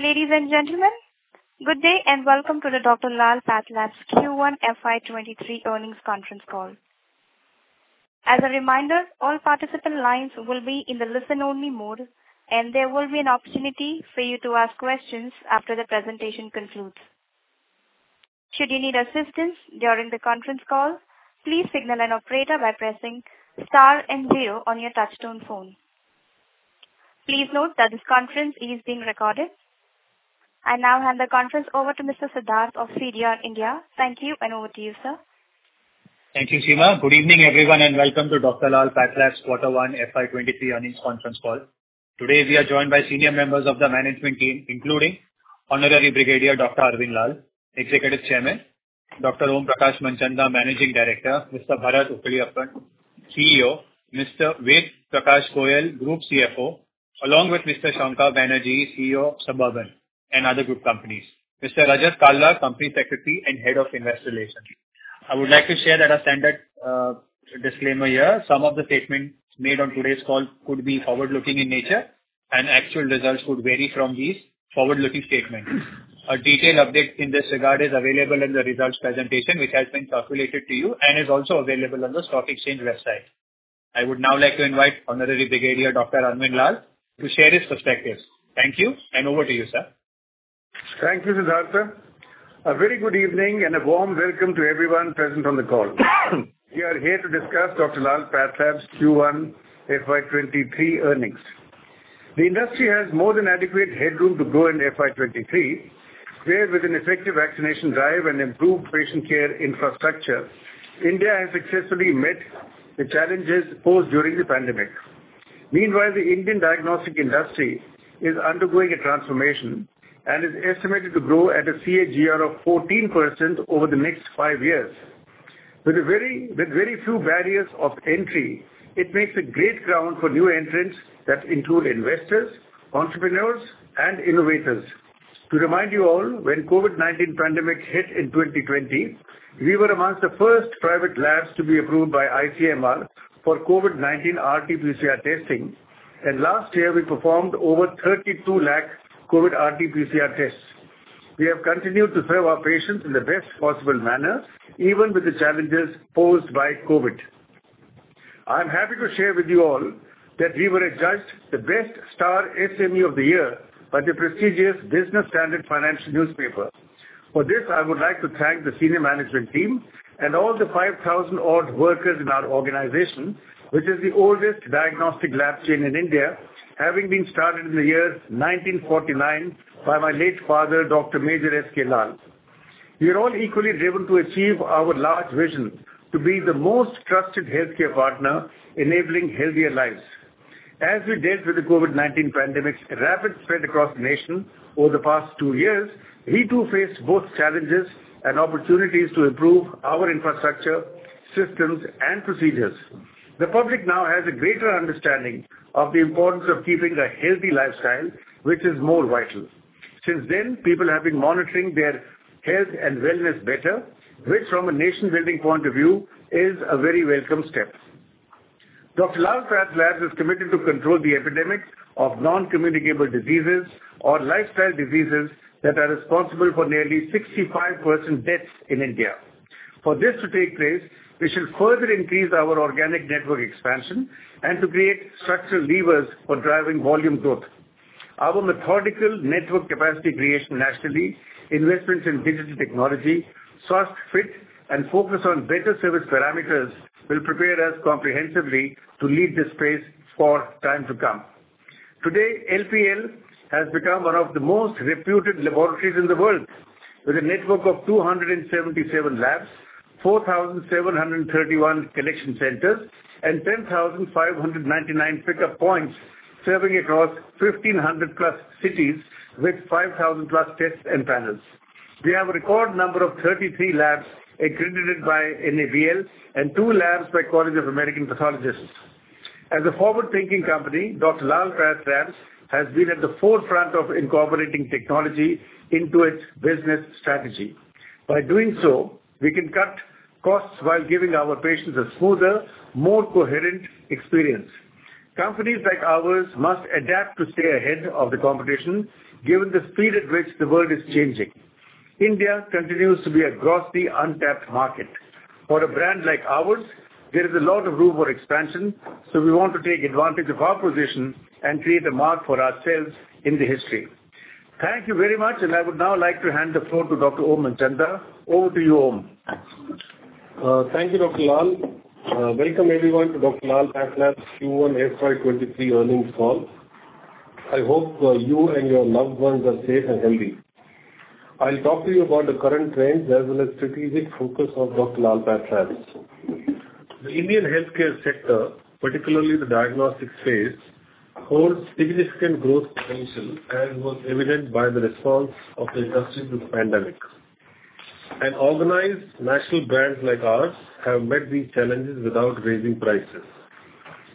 Ladies and gentlemen, good day and welcome to the Dr. Lal PathLabs Q1 FY 2023 earnings conference call. As a reminder, all participant lines will be in the listen only mode, and there will be an opportunity for you to ask questions after the presentation concludes. Should you need assistance during the conference call, please signal an operator by pressing star and zero on your touchtone phone. Please note that this conference is being recorded. I now hand the conference over to Mr. Siddharth of CDR India. Thank you, and over to you, sir. Thank you, this is Siddharth. Good evening, everyone, and welcome to Dr. Lal PathLabs quarter one FY 2023 earnings conference call. Today, we are joined by senior members of the management team, including Honorary Brigadier Dr. Arvind Lal, Executive Chairman, Dr. Om Prakash Manchanda, Managing Director, Mr. Bharath Uppiliappan, CEO, Mr. Ved Prakash Goel, Group CFO, along with Mr. Shankar Banerjee, CEO, Suburban, and other group companies. Mr. Rajat Kala, Company Secretary and Head of Investor Relations. I would like to share that our standard disclaimer here. Some of the statements made on today's call could be forward-looking in nature, and actual results could vary from these forward-looking statements. A detailed update in this regard is available in the results presentation, which has been circulated to you and is also available on the stock exchange website. I would now like to invite Honorary Brigadier Dr. Arvind Lal to share his perspectives. Thank you, and over to you, sir. Thank you, Siddharth, sir. A very good evening and a warm welcome to everyone present on the call. We are here to discuss Dr. Lal PathLabs Q1 FY23 earnings. The industry has more than adequate headroom to grow in FY 2023, where with an effective vaccination drive and improved patient care infrastructure, India has successfully met the challenges posed during the pandemic. Meanwhile, the Indian diagnostic industry is undergoing a transformation and is estimated to grow at a CAGR of 14% over the next five years. With very few barriers of entry, it makes a great ground for new entrants that include investors, entrepreneurs, and innovators. To remind you all, when COVID-19 pandemic hit in 2020, we were among the first private labs to be approved by ICMR for COVID-19 RT-PCR testing, and last year we performed over 32 lakh COVID RT-PCR tests. We have continued to serve our patients in the best possible manner, even with the challenges posed by COVID. I am happy to share with you all that we were adjudged the best star SME of the year by the prestigious Business Standard. For this, I would like to thank the senior management team and all the 5,000-odd workers in our organization, which is the oldest diagnostic lab chain in India, having been started in the year 1949 by my late father, Dr. S. K. Lal. We are all equally driven to achieve our large vision to be the most trusted healthcare partner enabling healthier lives. As we dealt with the COVID-19 pandemic's rapid spread across the nation over the past two years, we too faced both challenges and opportunities to improve our infrastructure, systems and procedures. The public now has a greater understanding of the importance of keeping a healthy lifestyle, which is more vital. Since then, people have been monitoring their health and wellness better, which from a nation building point of view is a very welcome step. Dr. Lal PathLabs is committed to control the epidemic of non-communicable diseases or lifestyle diseases that are responsible for nearly 65% of deaths in India. For this to take place, we shall further increase our organic network expansion and to create structural levers for driving volume growth. Our methodical network capacity creation nationally, investments in digital technology, Swasthfit, and focus on better service parameters will prepare us comprehensively to lead this space for time to come. Today, LPL has become one of the most reputed laboratories in the world, with a network of 277 labs, 4,731 collection centers, and 10,599 pickup points serving across 1,500 plus cities with 5,000 plus tests and panels. We have a record number of 33 labs accredited by NABL and 2 labs by College of American Pathologists. As a forward-thinking company, Dr. Lal PathLabs has been at the forefront of incorporating technology into its business strategy. By doing so, we can cut costs while giving our patients a smoother, more coherent experience. Companies like ours must adapt to stay ahead of the competition, given the speed at which the world is changing. India continues to be a grossly untapped market. For a brand like ours, there is a lot of room for expansion, so we want to take advantage of our position and create a mark for ourselves in the history. Thank you very much, and I would now like to hand the floor to Dr. Om Manchanda. Over to you, Om. Thank you, Dr. Lal. Welcome everyone to Dr. Lal PathLabs Q1 FY 2023 earnings call. I hope you and your loved ones are safe and healthy. I'll talk to you about the current trends as well as strategic focus of Dr. Lal PathLabs. The Indian healthcare sector, particularly the diagnostic space, holds significant growth potential, as was evident by the response of the industry to the pandemic. Organized national brands like ours have met these challenges without raising prices.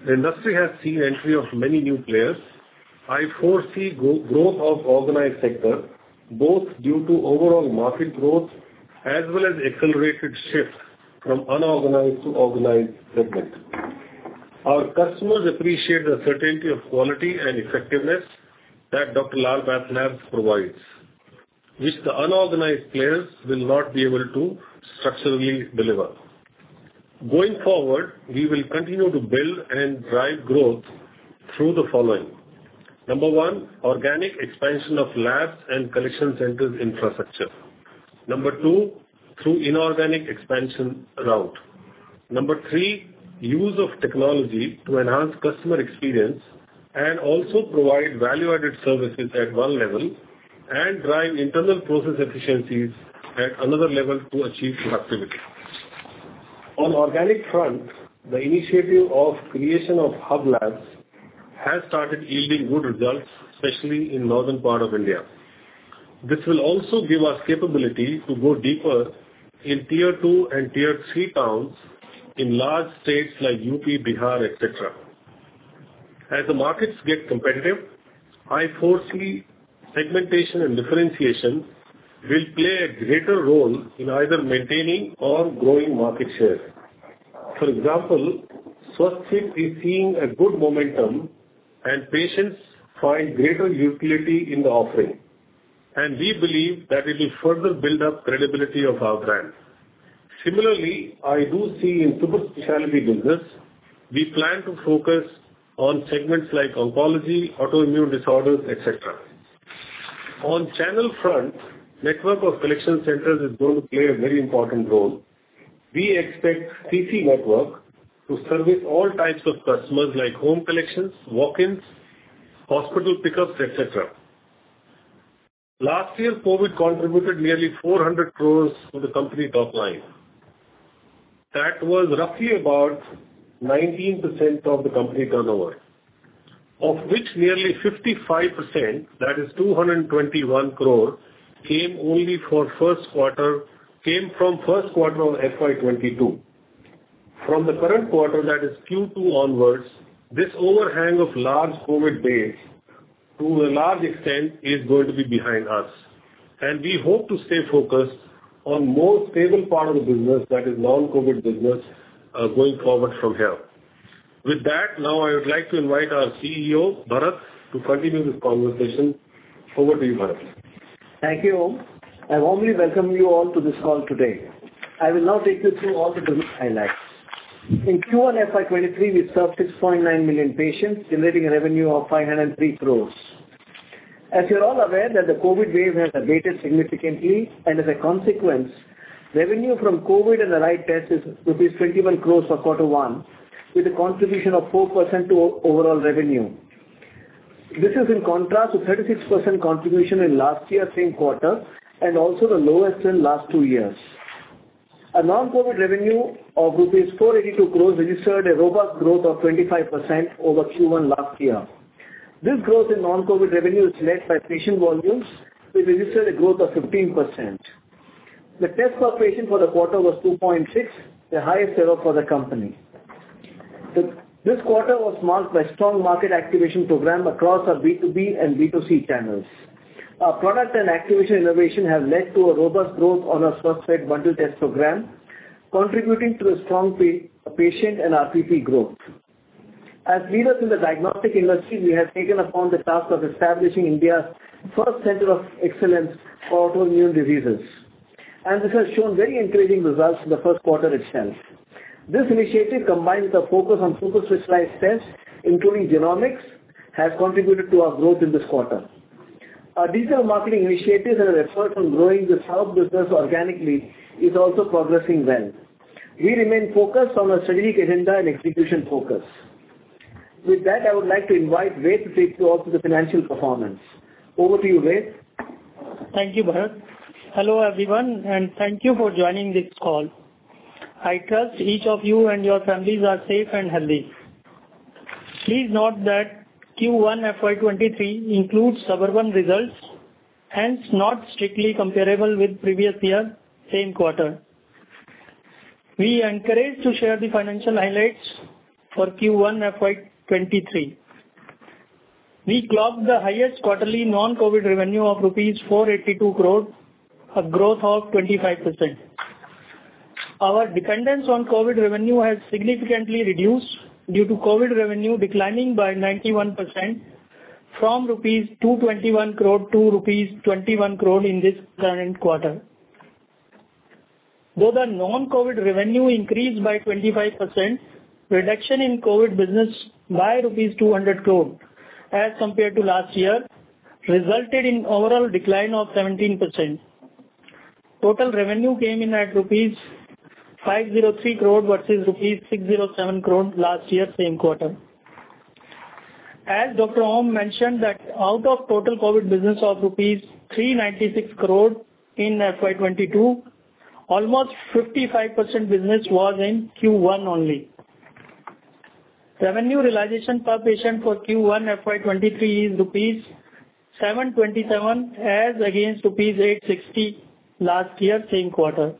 The industry has seen entry of many new players. I foresee growth of organized sector, both due to overall market growth as well as accelerated shift from unorganized to organized segment. Our customers appreciate the certainty of quality and effectiveness that Dr. Lal PathLabs provides, which the unorganized players will not be able to structurally deliver. Going forward, we will continue to build and drive growth through the following. Number one, organic expansion of labs and collection centers infrastructure. Number two, through inorganic expansion route. Number three, use of technology to enhance customer experience and also provide value-added services at one level, and drive internal process efficiencies at another level to achieve productivity. On organic front, the initiative of creation of hub labs has started yielding good results, especially in northern part of India. This will also give us capability to go deeper in tier two and tier three towns in large states like UP, Bihar, et cetera. As the markets get competitive, I foresee segmentation and differentiation will play a greater role in either maintaining or growing market share. For example, Swasthfit is seeing a good momentum and patients find greater utility in the offering, and we believe that it will further build up credibility of our brand. Similarly, I do see in super specialty business we plan to focus on segments like oncology, autoimmune disorders, et cetera. On channel front, network of collection centers is going to play a very important role. We expect CC network to service all types of customers, like home collections, walk-ins, hospital pickups, et cetera. Last year, COVID contributed nearly 400 crore to the company top line. That was roughly about 19% of the company turnover. Of which nearly 55%, that is 221 crore, came from first quarter of FY 2022. From the current quarter, that is Q2 onwards, this overhang of large COVID base, to a large extent is going to be behind us, and we hope to stay focused on more stable part of the business, that is non-COVID business, going forward from here. With that, now I would like to invite our CEO, Bharath, to continue this conversation. Over to you, Bharath. Thank you, Om. I warmly welcome you all to this call today. I will now take you through all the business highlights. In Q1 FY 2023, we served 6.9 million patients, generating a revenue of 503 crore. As you're all aware that the COVID wave has abated significantly, and as a consequence, revenue from COVID and allied tests is rupees 21 crore for quarter one, with a contribution of 4% to overall revenue. This is in contrast to 36% contribution in last year same quarter, and also the lowest in last two years. Our non-COVID revenue of INR 482 crore registered a robust growth of 25% over Q1 last year. This growth in non-COVID revenue is led by patient volumes, which registered a growth of 15%. The test per patient for the quarter was 2.6, the highest ever for the company. This quarter was marked by strong market activation program across our B2B and B2C channels. Our product and activation innovation have led to a robust growth on our Swasthfit bundle test program, contributing to a strong patient and RPP growth. As leaders in the diagnostic industry, we have taken upon the task of establishing India's first center of excellence for autoimmune diseases, and this has shown very encouraging results in the first quarter itself. This initiative, combined with a focus on super specialized tests, including genomics, has contributed to our growth in this quarter. Our digital marketing initiatives and our effort on growing this hub business organically is also progressing well. We remain focused on our strategic agenda and execution focus. With that, I would like to invite Ved to take you all through the financial performance. Over to you, Ved. Thank you, Bharath. Hello, everyone, and thank you for joining this call. I trust each of you and your families are safe and healthy. Please note that Q1 FY 2023 includes Suburban results, hence not strictly comparable with previous year same quarter. We are encouraged to share the financial highlights for Q1 FY 2023. We clocked the highest quarterly non-COVID revenue of INR 482 crore, a growth of 25%. Our dependence on COVID revenue has significantly reduced due to COVID revenue declining by 91% from rupees 221 crore to rupees 21 crore in this current quarter. Though the non-COVID revenue increased by 25%, reduction in COVID business by rupees 200 crore as compared to last year resulted in overall decline of 17%. Total revenue came in at rupees 503 crore versus rupees 607 crore last year same quarter. As Dr. Om mentioned that out of total COVID business of rupees 396 crore in FY 2022, almost 55% business was in Q1 only. Revenue realization per patient for Q1 FY 2023 is 727 rupees as against 860 rupees last year same quarter.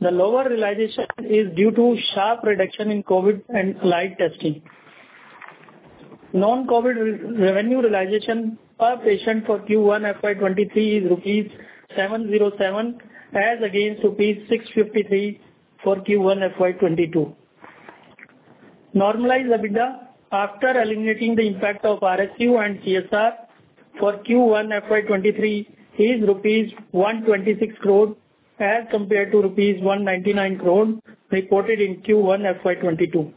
The lower realization is due to sharp reduction in COVID and allied testing. Non-COVID revenue realization per patient for Q1 FY 2023 is 707 as against 653 for Q1 FY 2022. Normalized EBITDA after eliminating the impact of RSU and CSR for Q1 FY 2023 is rupees 126 crore as compared to rupees 199 crore reported in Q1 FY 2022.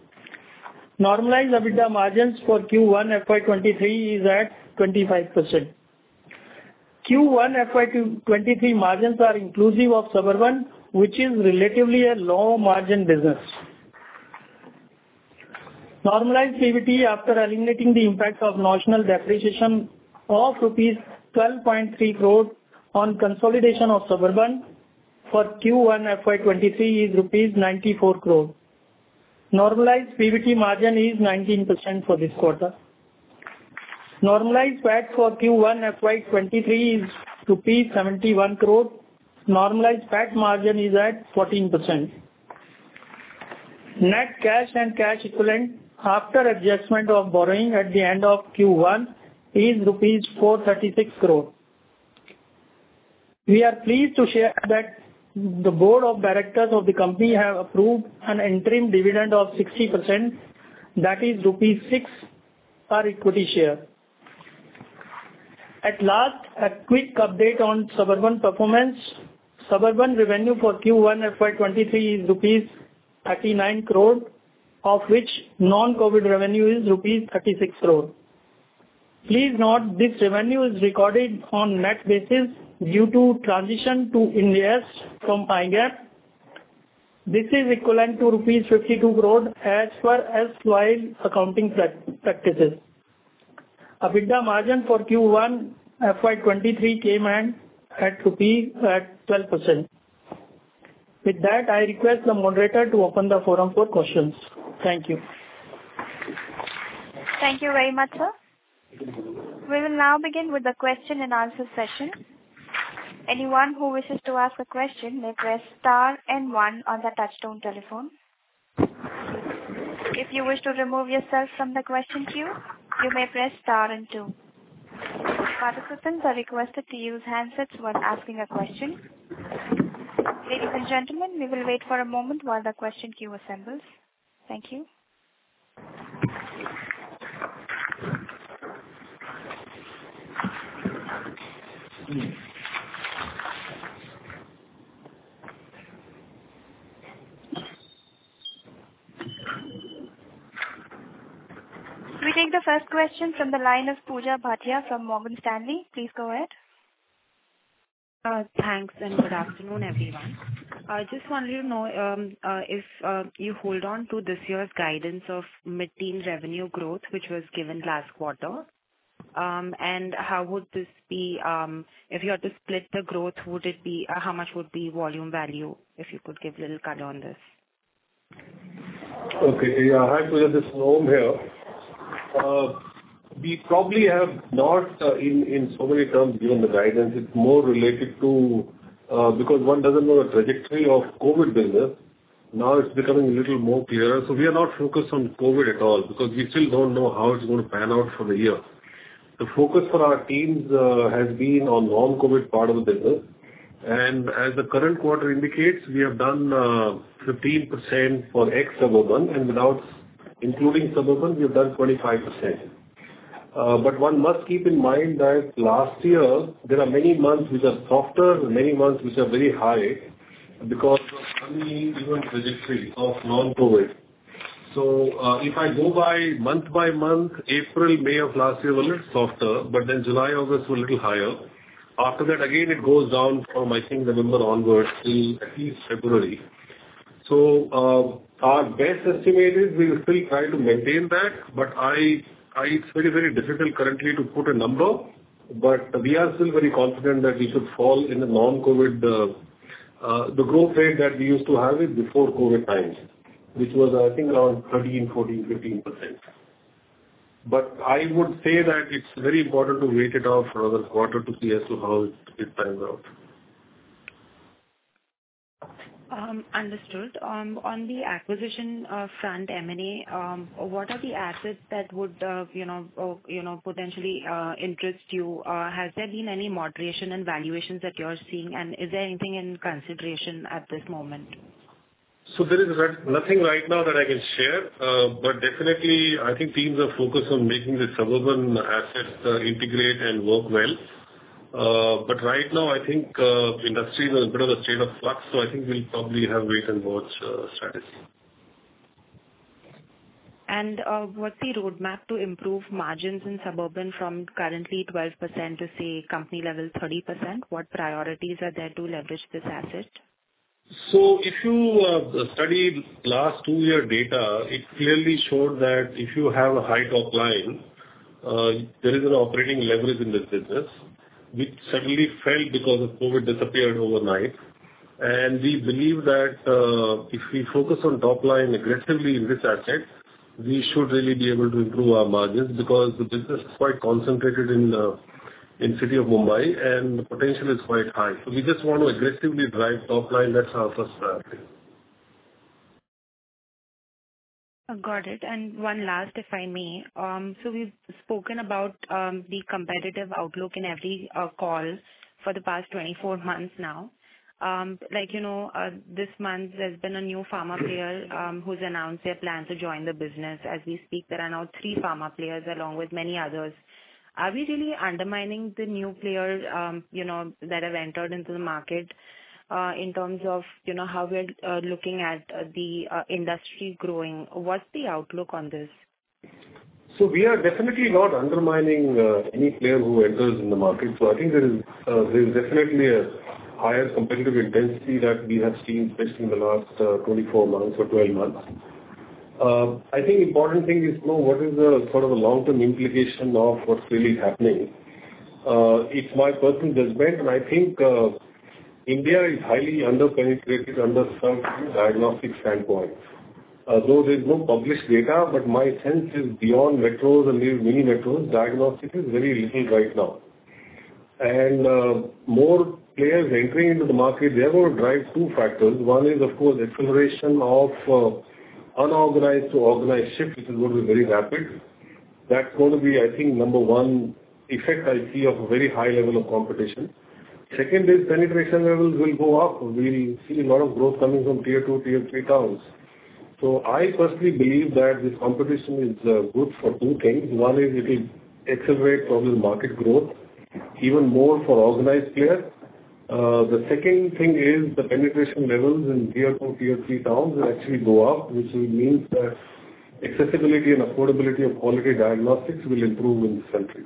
Normalized EBITDA margins for Q1 FY 2023 is at 25%. Q1 FY 2023 margins are inclusive of Suburban, which is relatively a low margin business. Normalized PBT after eliminating the impact of notional depreciation of rupees 12.3 crore on consolidation of Suburban for Q1 FY 2023 is 94 crore. Normalized PBT margin is 19% for this quarter. Normalized PAT for Q1 FY 2023 is rupees 71 crore. Normalized PAT margin is at 14%. Net cash and cash equivalent after adjustment of borrowing at the end of Q1 is rupees 436 crore. We are pleased to share that the board of directors of the company have approved an interim dividend of 60%, that is rupees 6 per equity share. At last, a quick update on Suburban performance. Suburban revenue for Q1 FY 2023 is rupees 39 crore, of which non-COVID revenue is rupees 36 crore. Please note this revenue is recorded on net basis due to transition to Ind AS from GAAP. This is equivalent to rupees 52 crore as per erstwhile accounting practices. EBITDA margin for Q1 FY 2023 came in at 12%. With that, I request the moderator to open the forum for questions. Thank you. Thank you very much, sir. We will now begin with the question and answer session. Anyone who wishes to ask a question may press star and one on the touchtone telephone. If you wish to remove yourself from the question queue, you may press star and two. Participants are requested to use handsets while asking a question. Ladies and gentlemen, we will wait for a moment while the question queue assembles. Thank you. We take the first question from the line of Pooja Baid from Morgan Stanley. Please go ahead. Thanks, and good afternoon, everyone. I just wanted to know if you hold on to this year's guidance of mid-teen revenue growth, which was given last quarter. And how would this be if you had to split the growth? Would it be how much would be volume value? If you could give a little color on this. Okay. Yeah. Hi, Pooja. This is Om here. We probably have not in so many terms given the guidance. It's more related to because one doesn't know the trajectory of COVID business. Now it's becoming a little more clearer. We are not focused on COVID at all because we still don't know how it's going to pan out for the year. The focus for our teams has been on non-COVID part of the business. As the current quarter indicates, we have done 15% for ex Suburban, and without including Suburban, we have done 25%. But one must keep in mind that last year there are many months which are softer and many months which are very high because of uneven trajectory of non-COVID. If I go by month by month, April, May of last year were a little softer, but then July, August were a little higher. After that, again, it goes down from, I think, November onwards till at least February. So our best estimate is we will still try to maintain that, but it's very, very difficult currently to put a number, but we are still very confident that we should fall in the non-COVID, the growth rate that we used to have it before COVID times, which was, I think, around 13% to 14%, to 15%. But I would say that it's very important to wait it out for another quarter to see as to how it pans out. Understood. On the acquisition front, M&A, what are the assets that would you know potentially interest you? Has there been any moderation in valuations that you're seeing? Is there anything in consideration at this moment? There is nothing right now that I can share. Definitely, I think teams are focused on making the Suburban assets integrate and work well. But right now I think industry is in a bit of a state of flux. I think we'll probably have wait-and-watch strategy. What's the roadmap to improve margins in Suburban from currently 12% to, say, company level 30%? What priorities are there to leverage this asset? If you study last two-year data, it clearly shows that if you have a high top line, there is an operating leverage in this business which suddenly fell because of COVID, disappeared overnight. We believe that if we focus on top line aggressively in this asset, we should really be able to improve our margins because the business is quite concentrated in city of Mumbai, and the potential is quite high. We just want to aggressively drive top line. That's our first priority. Got it. One last, if I may. We've spoken about the competitive outlook in every call for the past 24 months now. Like, you know, this month there's been a new pharma player who's announced their plan to join the business. As we speak, there are now three pharma players along with many others. Are we really undermining the new players, you know, that have entered into the market in terms of, you know, how we're looking at the industry growing? What's the outlook on this? We are definitely not undermining any player who enters in the market. I think there is definitely a higher competitive intensity that we have seen, especially in the last 24 months or 12 months. I think important thing is to know what is the sort of the long-term implication of what really is happening. It's my personal judgment, and I think India is highly under-penetrated, underserved from diagnostic standpoint. Although there's no published data, but my sense is beyond metros and these mini metros, diagnostic is very little right now. And more players entering into the market, they're gonna drive two factors. One is, of course, acceleration of unorganized to organized shift, which is going to be very rapid. That's gonna be, I think, number one effect I see of a very high level of competition. Second is penetration levels will go up. We'll see a lot of growth coming from tier two, tier three towns. I personally believe that this competition is good for two things. One is it will accelerate probably market growth even more for organized players. The second thing is the penetration levels in tier two, tier three towns will actually go up, which will mean that accessibility and affordability of quality diagnostics will improve in this country.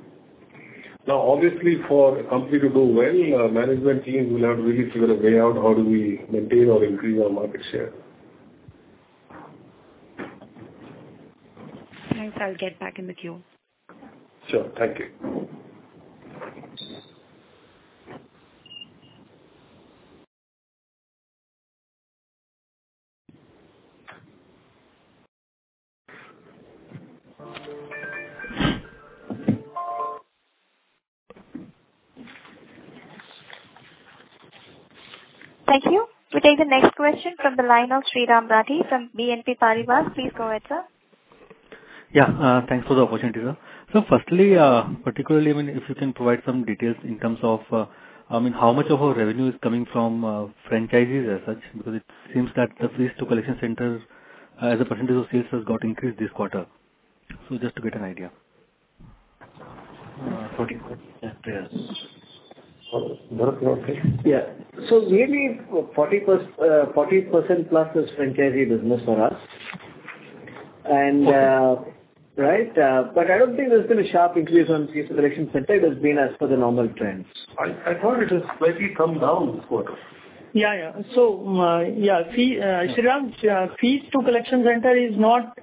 Now, obviously, for a company to do well, management team will have to really figure a way out how do we maintain or increase our market share. Thanks. I'll get back in the queue. Sure. Thank you. Thank you. We take the next question from the line of Sriram Rathee from BNP Paribas. Please go ahead, sir. Yeah. Thanks for the opportunity, sir. Firstly, particularly, I mean, if you can provide some details in terms of, I mean, how much of our revenue is coming from, franchises as such. Because it seems that the fees to collection centers as a percentage of sales has got increased this quarter. Just to get an idea. 40%. Yeah. Oh. Bharath, you okay? Maybe 40% plus is franchisee business for us. Right? But I don't think there's been a sharp increase on fees to collection center. It has been as per the normal trends. I thought it has slightly come down this quarter. Sriram, fees to collection center is not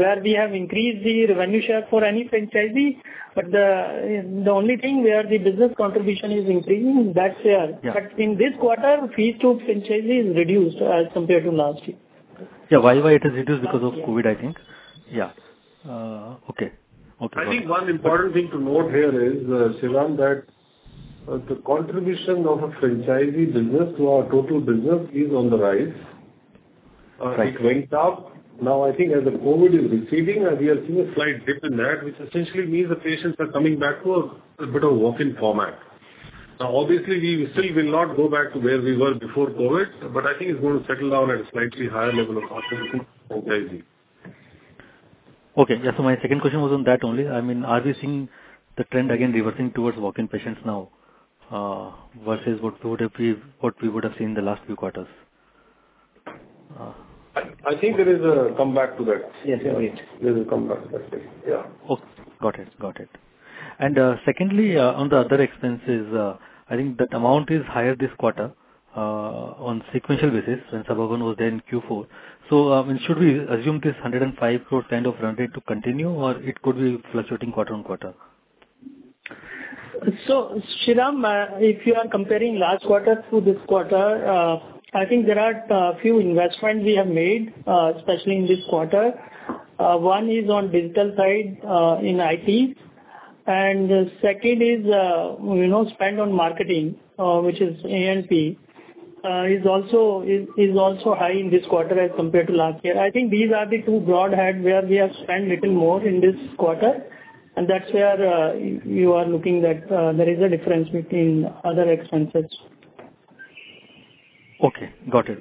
where we have increased the revenue share for any franchisee. The only thing where the business contribution is increasing, that's where. Yeah. In this quarter, fees to franchisee is reduced as compared to last year. Yeah. Why it is reduced? Because of COVID, I think. Yeah. Okay. Got it. I think one important thing to note here is, Sriram, that the contribution of a franchisee business to our total business is on the rise. Right. It went up. Now, I think as the COVID is receding, we are seeing a slight dip in that, which essentially means the patients are coming back to a bit of walk-in format. Now, obviously we still will not go back to where we were before COVID, but I think it's going to settle down at a slightly higher level of contribution from franchisee. Okay. Yeah. My second question was on that only. I mean, are we seeing the trend again reversing towards walk-in patients now, versus what we would have seen in the last few quarters? I think there is a comeback to that. Yes. There is. There's a comeback to that stage. Yeah. Okay. Got it. Secondly, on the other expenses, I think that amount is higher this quarter on sequential basis than Suburban was there in Q4. Should we assume this 105 crore kind of run rate to continue, or it could be fluctuating quarter-over-quarter? Sriram, if you are comparing last quarter to this quarter, I think there are few investments we have made, especially in this quarter. One is on digital side, in IT. Second is, you know, spend on marketing, which is A&P, is also high in this quarter as compared to last year. I think these are the two broad head where we have spent little more in this quarter, and that's where you are looking at that there is a difference between other expenses. Okay. Got it.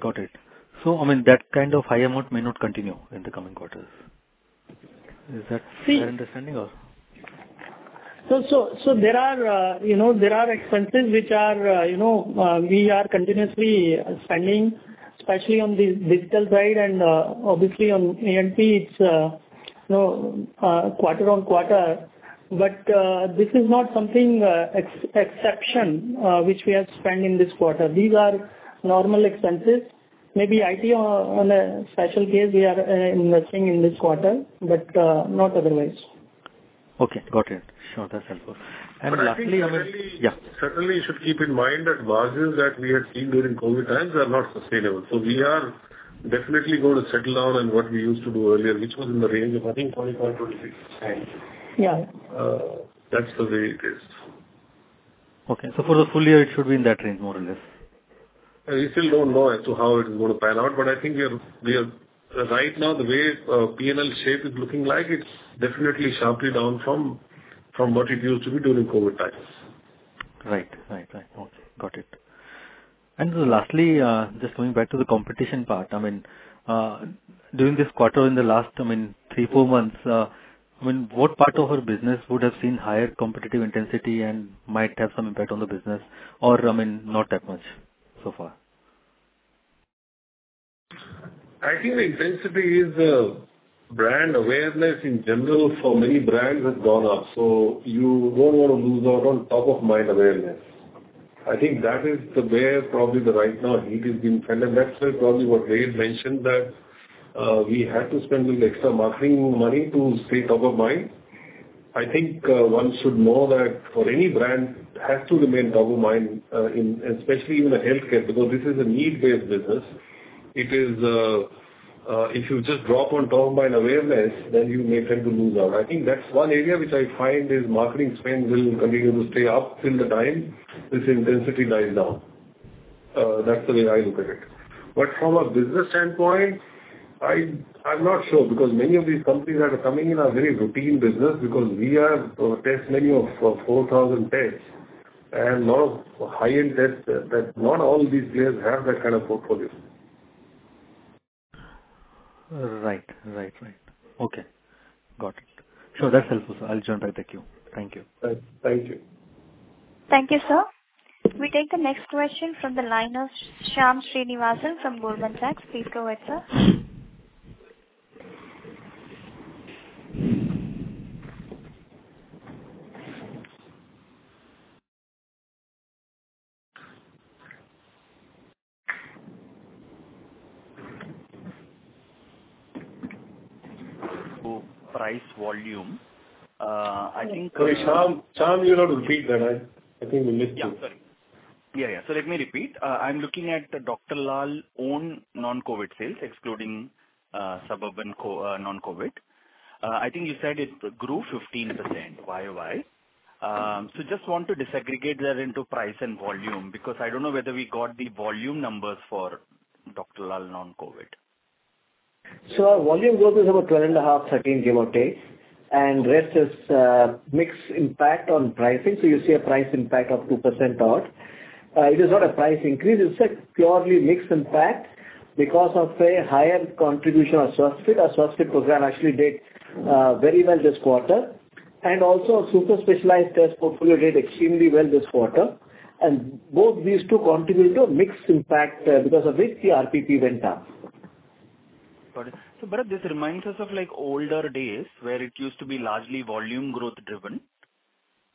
I mean, that kind of high amount may not continue in the coming quarters. Is that? See- My understanding or? There are expenses which we are continuously spending, especially on the digital side and obviously on A&P it's quarter on quarter. This is not something exceptional which we have spent in this quarter. These are normal expenses. Maybe IT on a special case we are investing in this quarter, but not otherwise. Okay. Got it. Sure. That's helpful. Lastly, I mean. I think certainly. Yeah. Certainly you should keep in mind that margins that we have seen during COVID times are not sustainable. We are definitely going to settle down on what we used to do earlier, which was in the range of, I think, 24%-26%. Yeah. That's the way it is. Okay. For the full year, it should be in that range more or less. We still don't know as to how it's gonna pan out, but I think. Right now, the way P&L shape is looking like, it's definitely sharply down from what it used to be during COVID times. Right. Okay. Got it. Lastly, just going back to the competition part. I mean, during this quarter, in the last, I mean, three to four months, I mean, what part of our business would have seen higher competitive intensity and might have some impact on the business or, I mean, not that much so far? I think the intensity is, brand awareness in general for many brands has gone up, so you don't wanna lose out on top of mind awareness. I think that is the way probably the right now heat is being felt. That's why probably what Ved mentioned that, we had to spend this extra marketing money to stay top of mind. I think, one should know that for any brand has to remain top of mind, in especially even a healthcare because this is a need-based business. It is, if you just drop on top of mind awareness, then you may tend to lose out. I think that's one area which I find is marketing spend will continue to stay up till the time this intensity dies down. That's the way I look at it. From a business standpoint, I'm not sure because many of these companies that are coming in are very routine business because we have a test menu of 4,000 tests and a lot of high-end tests that not all these players have that kind of portfolio. Right. Okay. Got it. Sure, that's helpful, sir. I'll join right back you. Thank you. Thank you. Thank you, sir. We take the next question from the line of Shyam Srinivasan from Goldman Sachs. Please go ahead, sir. Price volume. I think. Sorry, Shyam. Shyam, you'll have to repeat that. I think we missed you. Sorry. Let me repeat. I'm looking at the Dr. Lal own non-COVID sales, excluding Suburban non-COVID. I think you said it grew 15% YOY. Just want to disaggregate that into price and volume because I don't know whether we got the volume numbers for Dr. Lal non-COVID. Our volume growth is about 12.5 to 13 give or take. Rest is mix impact on pricing. You see a price impact of 2% odd. It is not a price increase. It's a purely mix impact because of, say, higher contribution of Swasthfit. Our Swasthfit program actually did very well this quarter. Our super specialized test portfolio did extremely well this quarter. Both these two contributed to a mix impact because of which the RPP went up. Got it. Bharat, this reminds us of like older days where it used to be largely volume growth driven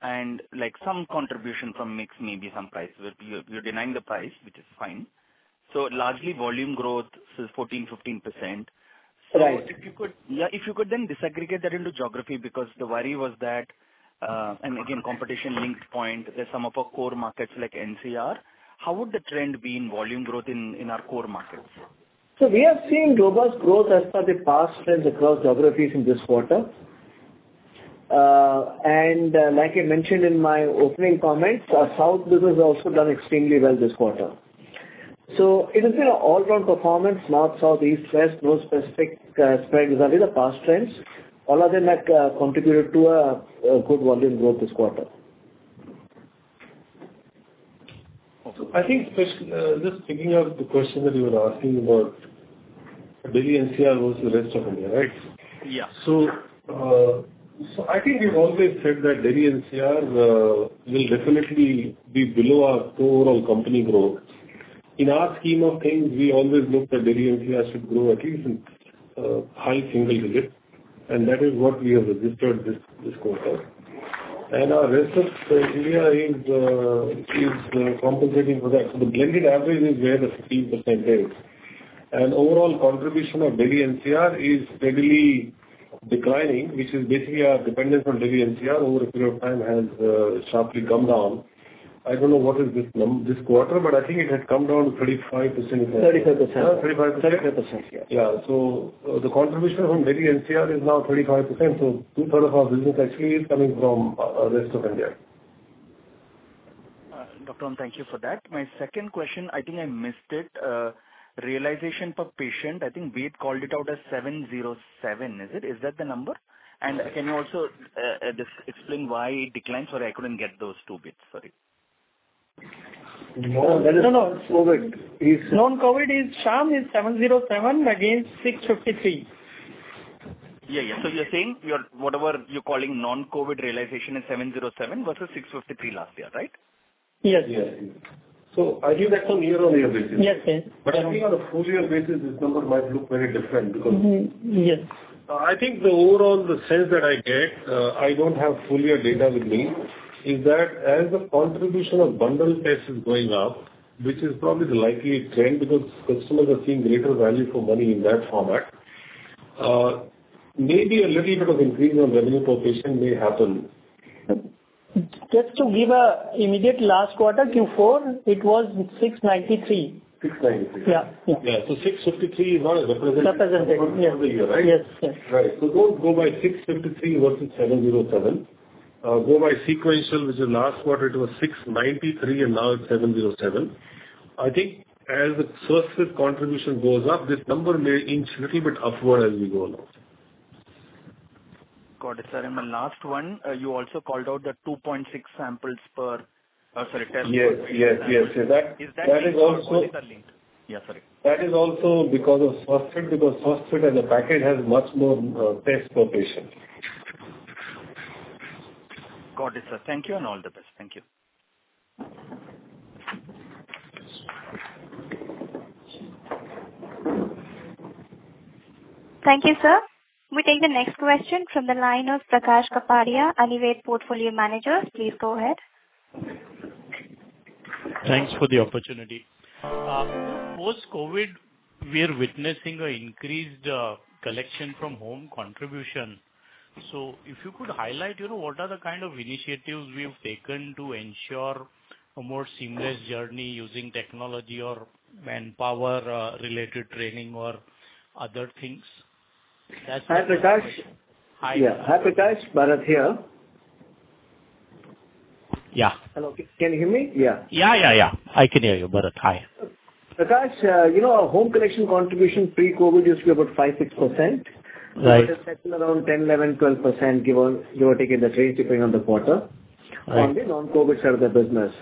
and like some contribution from mix, maybe some price. You're denying the price, which is fine. Largely volume growth is 14% to 15%. Right. If you could then disaggregate that into geography because the worry was that, and again competition-linked point, some of our core markets like NCR. How would the trend be in volume growth in our core markets? We are seeing robust growth as per the past trends across geographies in this quarter. Like I mentioned in my opening comments, our South business has also done extremely well this quarter. It has been an all around performance North, South, East, West, no specific spreads. These are the past trends. All of them have contributed to a good volume growth this quarter. I think, just picking up the question that you were asking about Delhi NCR versus rest of India, right? Yeah. I think we've always said that Delhi NCR will definitely be below our overall company growth. In our scheme of things, we always look that Delhi NCR should grow at least in high single digits, and that is what we have registered this quarter. Our rest of India is compensating for that. The blended average is where the 15% is. Overall contribution of Delhi NCR is steadily declining, which is basically our dependence on Delhi NCR over a period of time has sharply come down. I don't know what is this quarter, but I think it had come down to 35%. 35%. 35%. 35%, yeah. Yeah so, the contribution from Delhi NCR is now 35%. Two-thirds of our business actually is coming from rest of India. Dr. Lal, thank you for that. My second question, I think I missed it. Realization per patient, I think Ved called it out as 707, is it? Is that the number? And can you also explain why it declined? Sorry, I couldn't get those two bits. Sorry. No, that is. No, no. COVID Non-COVID is, Shyam, 707 against 653. Yeah. You're saying whatever you're calling non-COVID realization is 707 versus 653 last year, right? Yes. Yes. I give that on year-on-year basis. Yes. Yes. I think on a full year basis, this number might look very different because. Mm-hmm. Yes. I think the overall sense that I get, I don't have full year data with me, is that as the contribution of bundled tests is going up, which is probably the likely trend because customers are seeing greater value for money in that format, maybe a little bit of increase on revenue per patient may happen. Just to give an immediate last quarter Q4, it was 693. 693. Yeah. Yeah. 653 is not representative. Representative of the year, right? Yes. Yes. Right. Don't go by 653 versus 707. Growth sequential, which is last quarter it was 693, and now it's 707. I think as the Swasthfit contribution goes up, this number may inch a little bit upward as we go along. Got it, sir. The last one, you also called out the 2.6, sorry, test per- Yes. Yes. Yes. Is that- That is also. What is the link? Yeah, sorry. That is also because of Swasthfit, because Swasthfit as a package has much more tests per patient. Got it, sir. Thank you, and all the best. Thank you. Thank you, sir. We take the next question from the line of Prakash Kapadia, Anived Portfolio Manager. Please go ahead. Thanks for the opportunity. Post-COVID, we are witnessing an increased collection from home contribution. So if you could highlight, you know, what are the kind of initiatives we have taken to ensure a more seamless journey using technology or manpower, related training or other things. That's my first question. Hi, Prakash. Hi. Yeah. Hi, Prakash. Bharat here. Yeah. Hello. Can you hear me? Yeah. Yeah. I can hear you, Bharath. Hi. Prakash, you know, our home collection contribution pre-COVID used to be about 5%-6%. Right. It has settled around 10% to 11% to 12%, give or take, and that may differ depending on the quarter. Right On the non-COVID side of the business.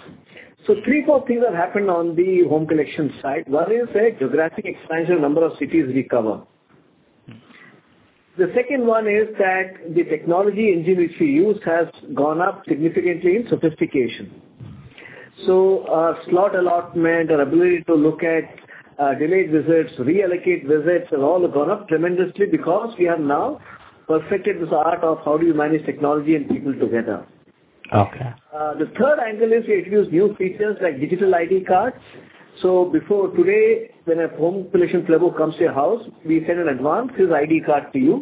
Three, four things have happened on the home collection side. One is the geographic expansion, number of cities we cover. The second one is that the technology engine which we use has gone up significantly in sophistication. So slot allotment, our ability to look at, delayed visits, reallocate visits have all gone up tremendously because we have now perfected this art of how do you manage technology and people together. Okay. The third angle is we introduced new features like digital ID cards. Before today, when a home collection phlebo comes to your house, we send in advance his ID card to you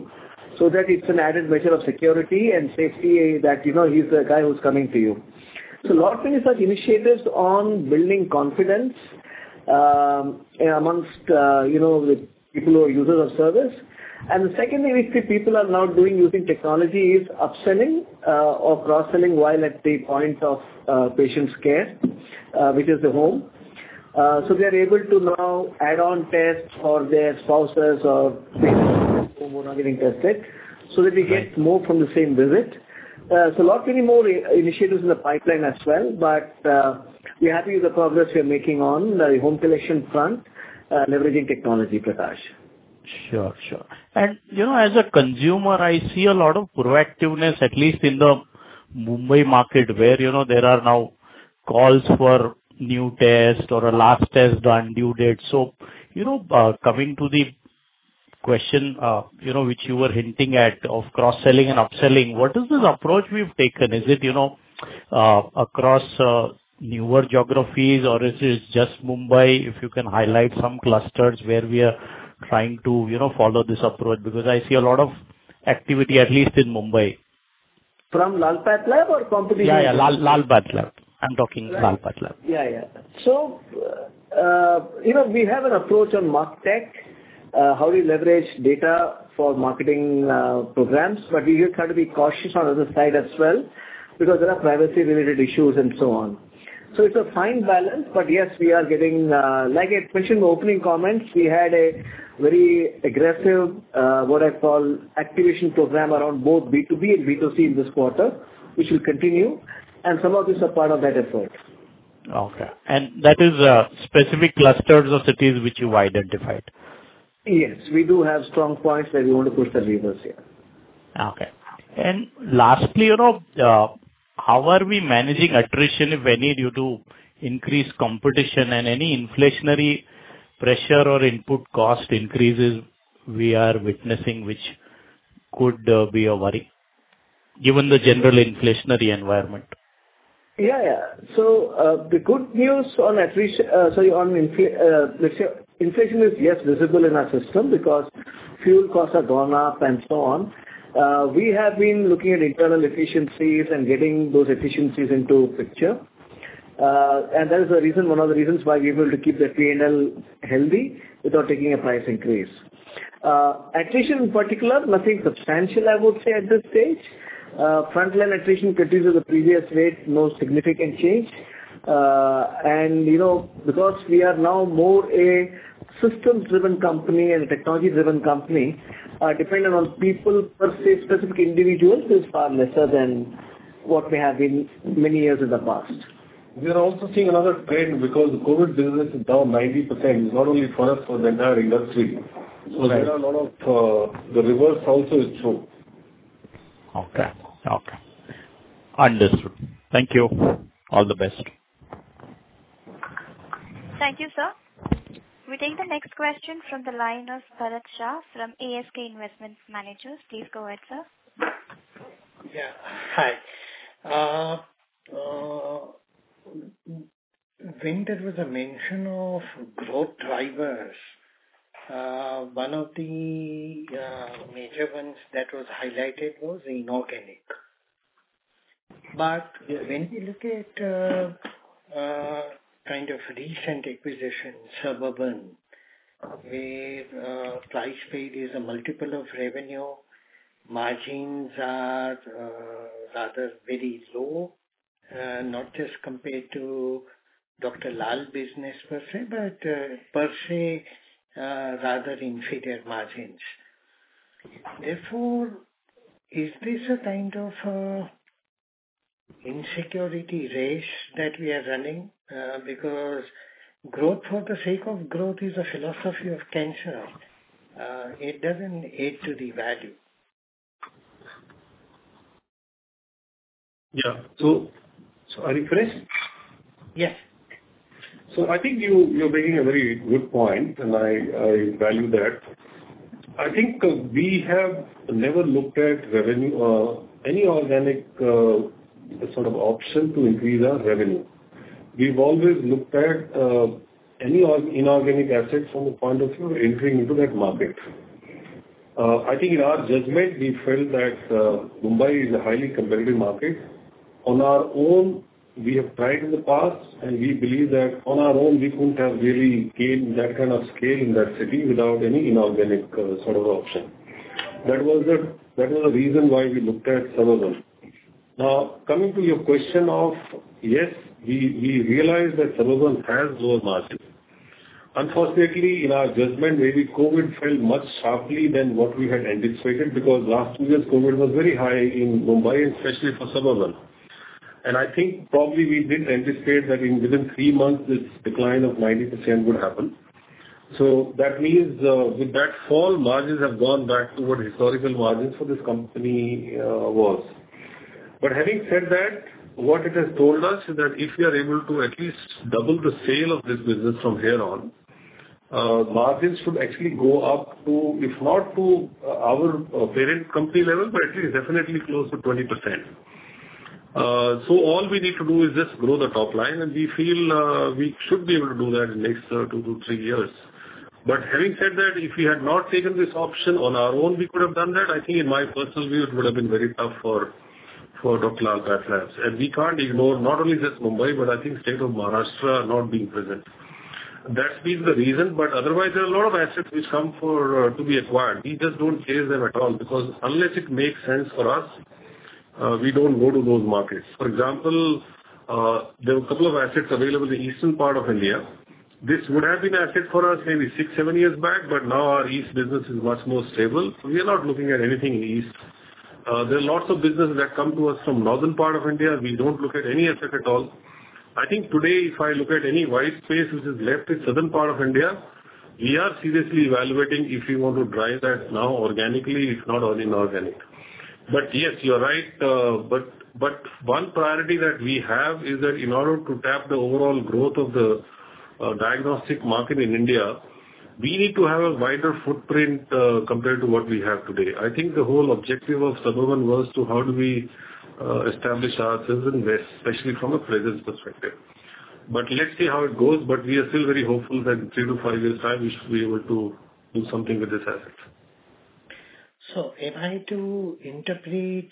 so that it's an added measure of security and safety that, you know, he's the guy who's coming to you. Lot many such initiatives on building confidence, among, you know, the people who are users of service. The second thing which the people are now doing using technology is upselling, or cross-selling while at the point of patient's care, which is the home. They are able to now add on tests for their spouses or family members who were not getting tested, so that we get more from the same visit. There's a lot many more initiatives in the pipeline as well. We're happy with the progress we are making on the home collection front, leveraging technology, Prakash. You know, as a consumer, I see a lot of proactiveness, at least in the Mumbai market, where, you know, there are now calls for new test or a last test done due date. So you know, coming to the question, you know, which you were hinting at, of cross-selling and upselling, what is the approach we've taken? Is it, you know, across newer geographies, or is it just Mumbai? If you can highlight some clusters where we are trying to, you know, follow this approach, because I see a lot of activity, at least in Mumbai. From Dr. Lal PathLabs or company. Yeah, yeah. Dr. Lal PathLabs. I'm talking Dr. Lal PathLabs. Yeah, yeah. You know, we have an approach on martech, how we leverage data for marketing programs. We just have to be cautious on the other side as well, because there are privacy-related issues and so on. It's a fine balance. Yes, we are giving. Like I mentioned in the opening comments, we had a very aggressive, what I call activation program around both B2B and B2C in this quarter, which will continue, and some of this are part of that effort. Okay. That is specific clusters of cities which you've identified. Yes. We do have strong points where we want to push the levers, yeah. Okay. Lastly, you know, how are we managing attrition, if any, due to increased competition and any inflationary pressure or input cost increases we are witnessing, which could be a worry given the general inflationary environment? Yeah, yeah. The good news on inflation is, yes, visible in our system because fuel costs have gone up and so on. We have been looking at internal efficiencies and getting those efficiencies into picture. That is the reason, one of the reasons why we're able to keep the P&L healthy without taking a price increase. Attrition in particular, nothing substantial, I would say at this stage. Frontline attrition continues at the previous rate, no significant change. And you know, because we are now more a systems-driven company and a technology-driven company, dependent on people per se, specific individuals is far lesser than what we have been many years in the past. We are also seeing another trend because COVID business is down 90%, not only for us, for the entire industry. Right. There are a lot of the reverse also is true. Okay. Understood. Thank you. All the best. Thank you, sir. We take the next question from the line of Bharat Shah from ASK Investment Managers. Please go ahead, sir. Hi. When there was a mention of growth drivers, one of the major ones that was highlighted was inorganic. When we look at kind of recent acquisitions, Suburban Diagnostics, where price paid is a multiple of revenue. Margins are rather very low. Not just compared to Dr. Lal business per se, but rather inferior margins. Therefore, is this a kind of acquisition race that we are running? Because growth for the sake of growth is a philosophy of cancer. It doesn't add to the value. Yeah. Are you finished? Yes. I think you're bringing a very good point, and I value that. I think we have never looked at revenue or any organic sort of option to increase our revenue. We've always looked at any inorganic assets from the point of view of entering into that market. I think in our judgment, we felt that Mumbai is a highly competitive market. On our own, we have tried in the past, and we believe that on our own we couldn't have really gained that kind of scale in that city without any inorganic sort of option. That was the reason why we looked at Suburban. Now, coming to your question, yes, we realized that Suburban has low margins. Unfortunately, in our judgment, maybe COVID fell much sharply than what we had anticipated, because last two years COVID was very high in Mumbai, especially for Suburban. I think probably we didn't anticipate that in within three months this decline of 90% would happen. That means, with that fall, margins have gone back to what historical margins for this company was. Having said that, what it has told us is that if we are able to at least double the sale of this business from here on, margins should actually go up to, if not to our parent company level, but at least definitely close to 20%. All we need to do is just grow the top line, and we feel, we should be able to do that in the next two to three years. But having said that, if we had not taken this option on our own, we could have done that. I think in my personal view, it would have been very tough for Dr. Lal PathLabs. We can't ignore not only just Mumbai, but I think state of Maharashtra not being present. That's been the reason. Otherwise there are a lot of assets which come for to be acquired. We just don't chase them at all, because unless it makes sense for us, we don't go to those markets. For example, there were a couple of assets available in the eastern part of India. This would have been an asset for us maybe six to seven years back, but now our east business is much more stable, so we are not looking at anything in the east. There are lots of businesses that come to us from northern part of India. We don't look at any asset at all. I think today, if I look at any white space which is left in southern part of India, we are seriously evaluating if we want to drive that now organically, if not all inorganic. Yes, you are right. One priority that we have is that in order to tap the overall growth of the diagnostic market in India, we need to have a wider footprint compared to what we have today. I think the whole objective of Suburban was to how do we establish ourselves in west, especially from a presence perspective. Let's see how it goes. We are still very hopeful that in three to five years time we should be able to do something with this asset. So am I to interpret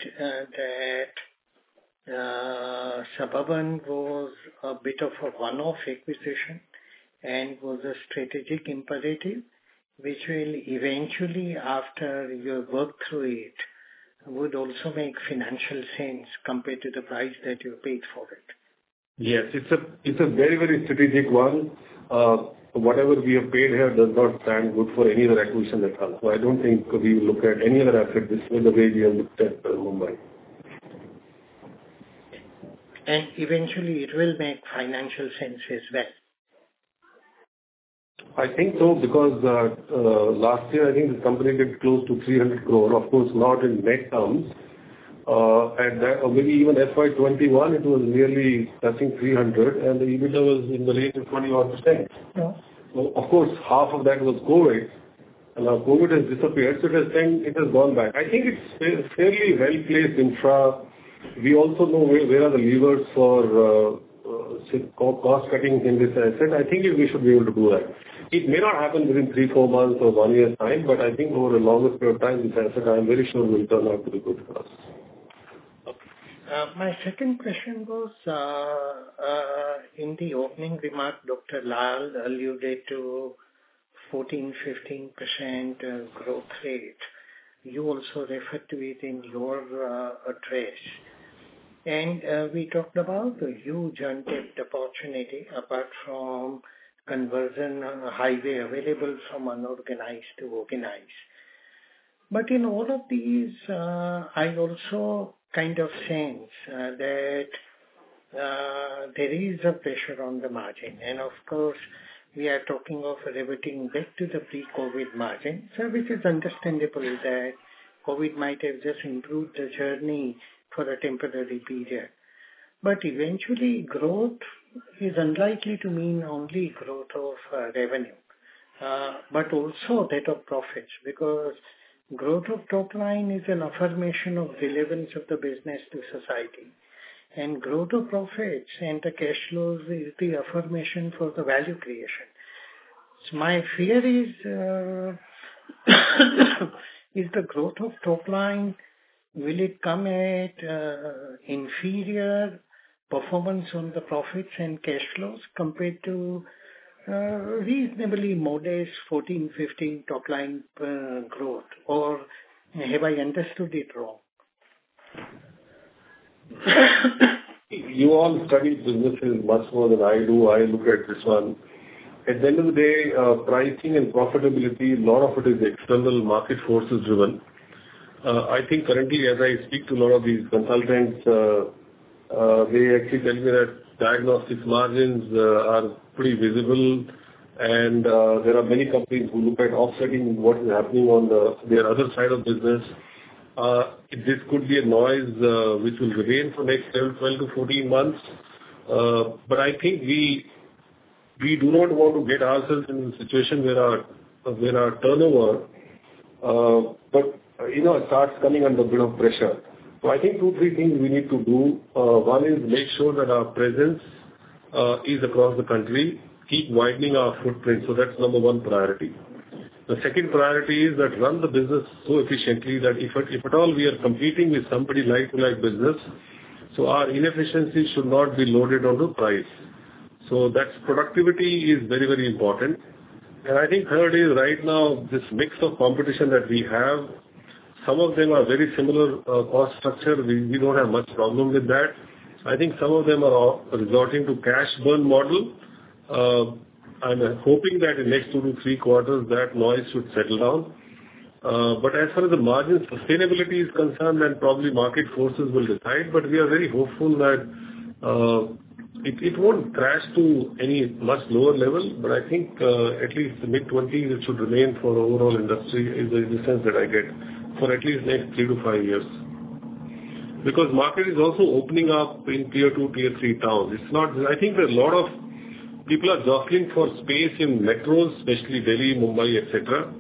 that Suburban was a bit of a one-off acquisition and was a strategic imperative which will eventually, after you work through it, would also make financial sense compared to the price that you paid for it? Yes. It's a very strategic one. Whatever we have paid here does not stand good for any other acquisition that comes. I don't think we will look at any other asset the same way we have looked at Mumbai Eventually it will make financial sense as well. I think so, because last year, I think the company did close to 300 crore. Of course, not in net terms. At that or maybe even FY 2021, it was nearly touching 300 and the EBITDA was in the range of 21%. Yeah. Of course, half of that was COVID. Now COVID has disappeared, so they're saying it has gone back. I think it's fairly well-placed infra. We also know where the levers for cost cutting in this asset are. I think we should be able to do that. It may not happen within three or four months or one year's time, but I think over a longer period of time, this asset I am very sure will turn out to be good for us. Okay. My second question was, in the opening remark, Dr. Lal alluded to 14% to 15% growth rate. You also referred to it in your address. We talked about the huge untapped opportunity, apart from conversion highway available from unorganized to organized. In all of these, I also kind of sense that there is a pressure on the margin. Of course, we are talking of reverting back to the pre-COVID margin. It is understandable that COVID might have just improved the margins for a temporary period. Eventually growth is unlikely to mean only growth of revenue but also that of profits. Because growth of top line is an affirmation of relevance of the business to society. Growth of profits and the cash flows is the affirmation for the value creation. My fear is the growth of top line, will it come at inferior performance on the profits and cash flows compared to reasonably modest 14% to 15% top line growth? Or have I understood it wrong? You all study businesses much more than I do. I look at this one. At the end of the day, pricing and profitability, a lot of it is external market forces driven. I think currently as I speak to a lot of these consultants, they actually tell me that diagnostics margins are pretty visible and there are many companies who look at offsetting what is happening on their other side of business. This could be a noise which will remain for next 12-14 months. I think we do not want to get ourselves in a situation where our turnover, you know, starts coming under a bit of pressure. I think two, three things we need to do. One is make sure that our presence is across the country, keep widening our footprint. That's number one priority. The second priority is that run the business so efficiently that if at all we are competing with somebody like to like business, so our inefficiency should not be loaded on the price. That's productivity is very, very important. I think third is right now this mix of competition that we have, some of them are very similar, cost structure. We don't have much problem with that. I think some of them are resorting to cash burn model. I'm hoping that in next two to three quarters that noise should settle down. As far as the margin sustainability is concerned, then probably market forces will decide. We are very hopeful that it won't crash to any much lower level, but I think at least mid-20%, it should remain for overall industry, is the sense that I get, for at least next three to five years. Because market is also opening up in tier 2, tier 3 towns. It's not. I think there are a lot of people jostling for space in metros, especially Delhi, Mumbai, et cetera.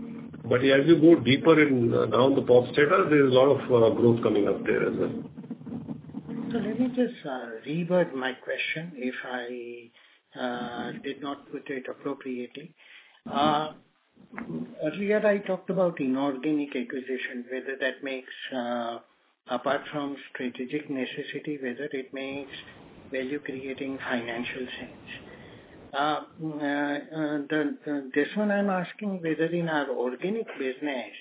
As you go deeper in, down the population strata, there's a lot of growth coming up there as well. Let me just reword my question if I did not put it appropriately. Earlier I talked about inorganic acquisition, whether that makes, apart from strategic necessity, whether it makes value creating financial sense. This one I'm asking whether in our organic business,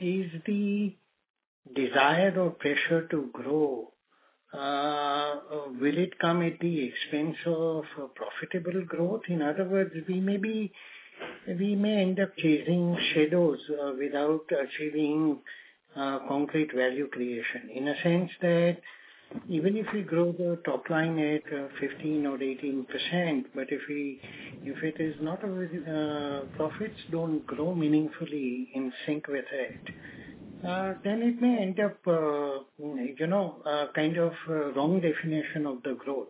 is the desire or pressure to grow, will it come at the expense of profitable growth? In other words, we may end up chasing shadows without achieving concrete value creation. In a sense that even if we grow the top line at 15% or 18%, but if it is not always profits don't grow meaningfully in sync with it, then it may end up kind of wrong definition of the growth.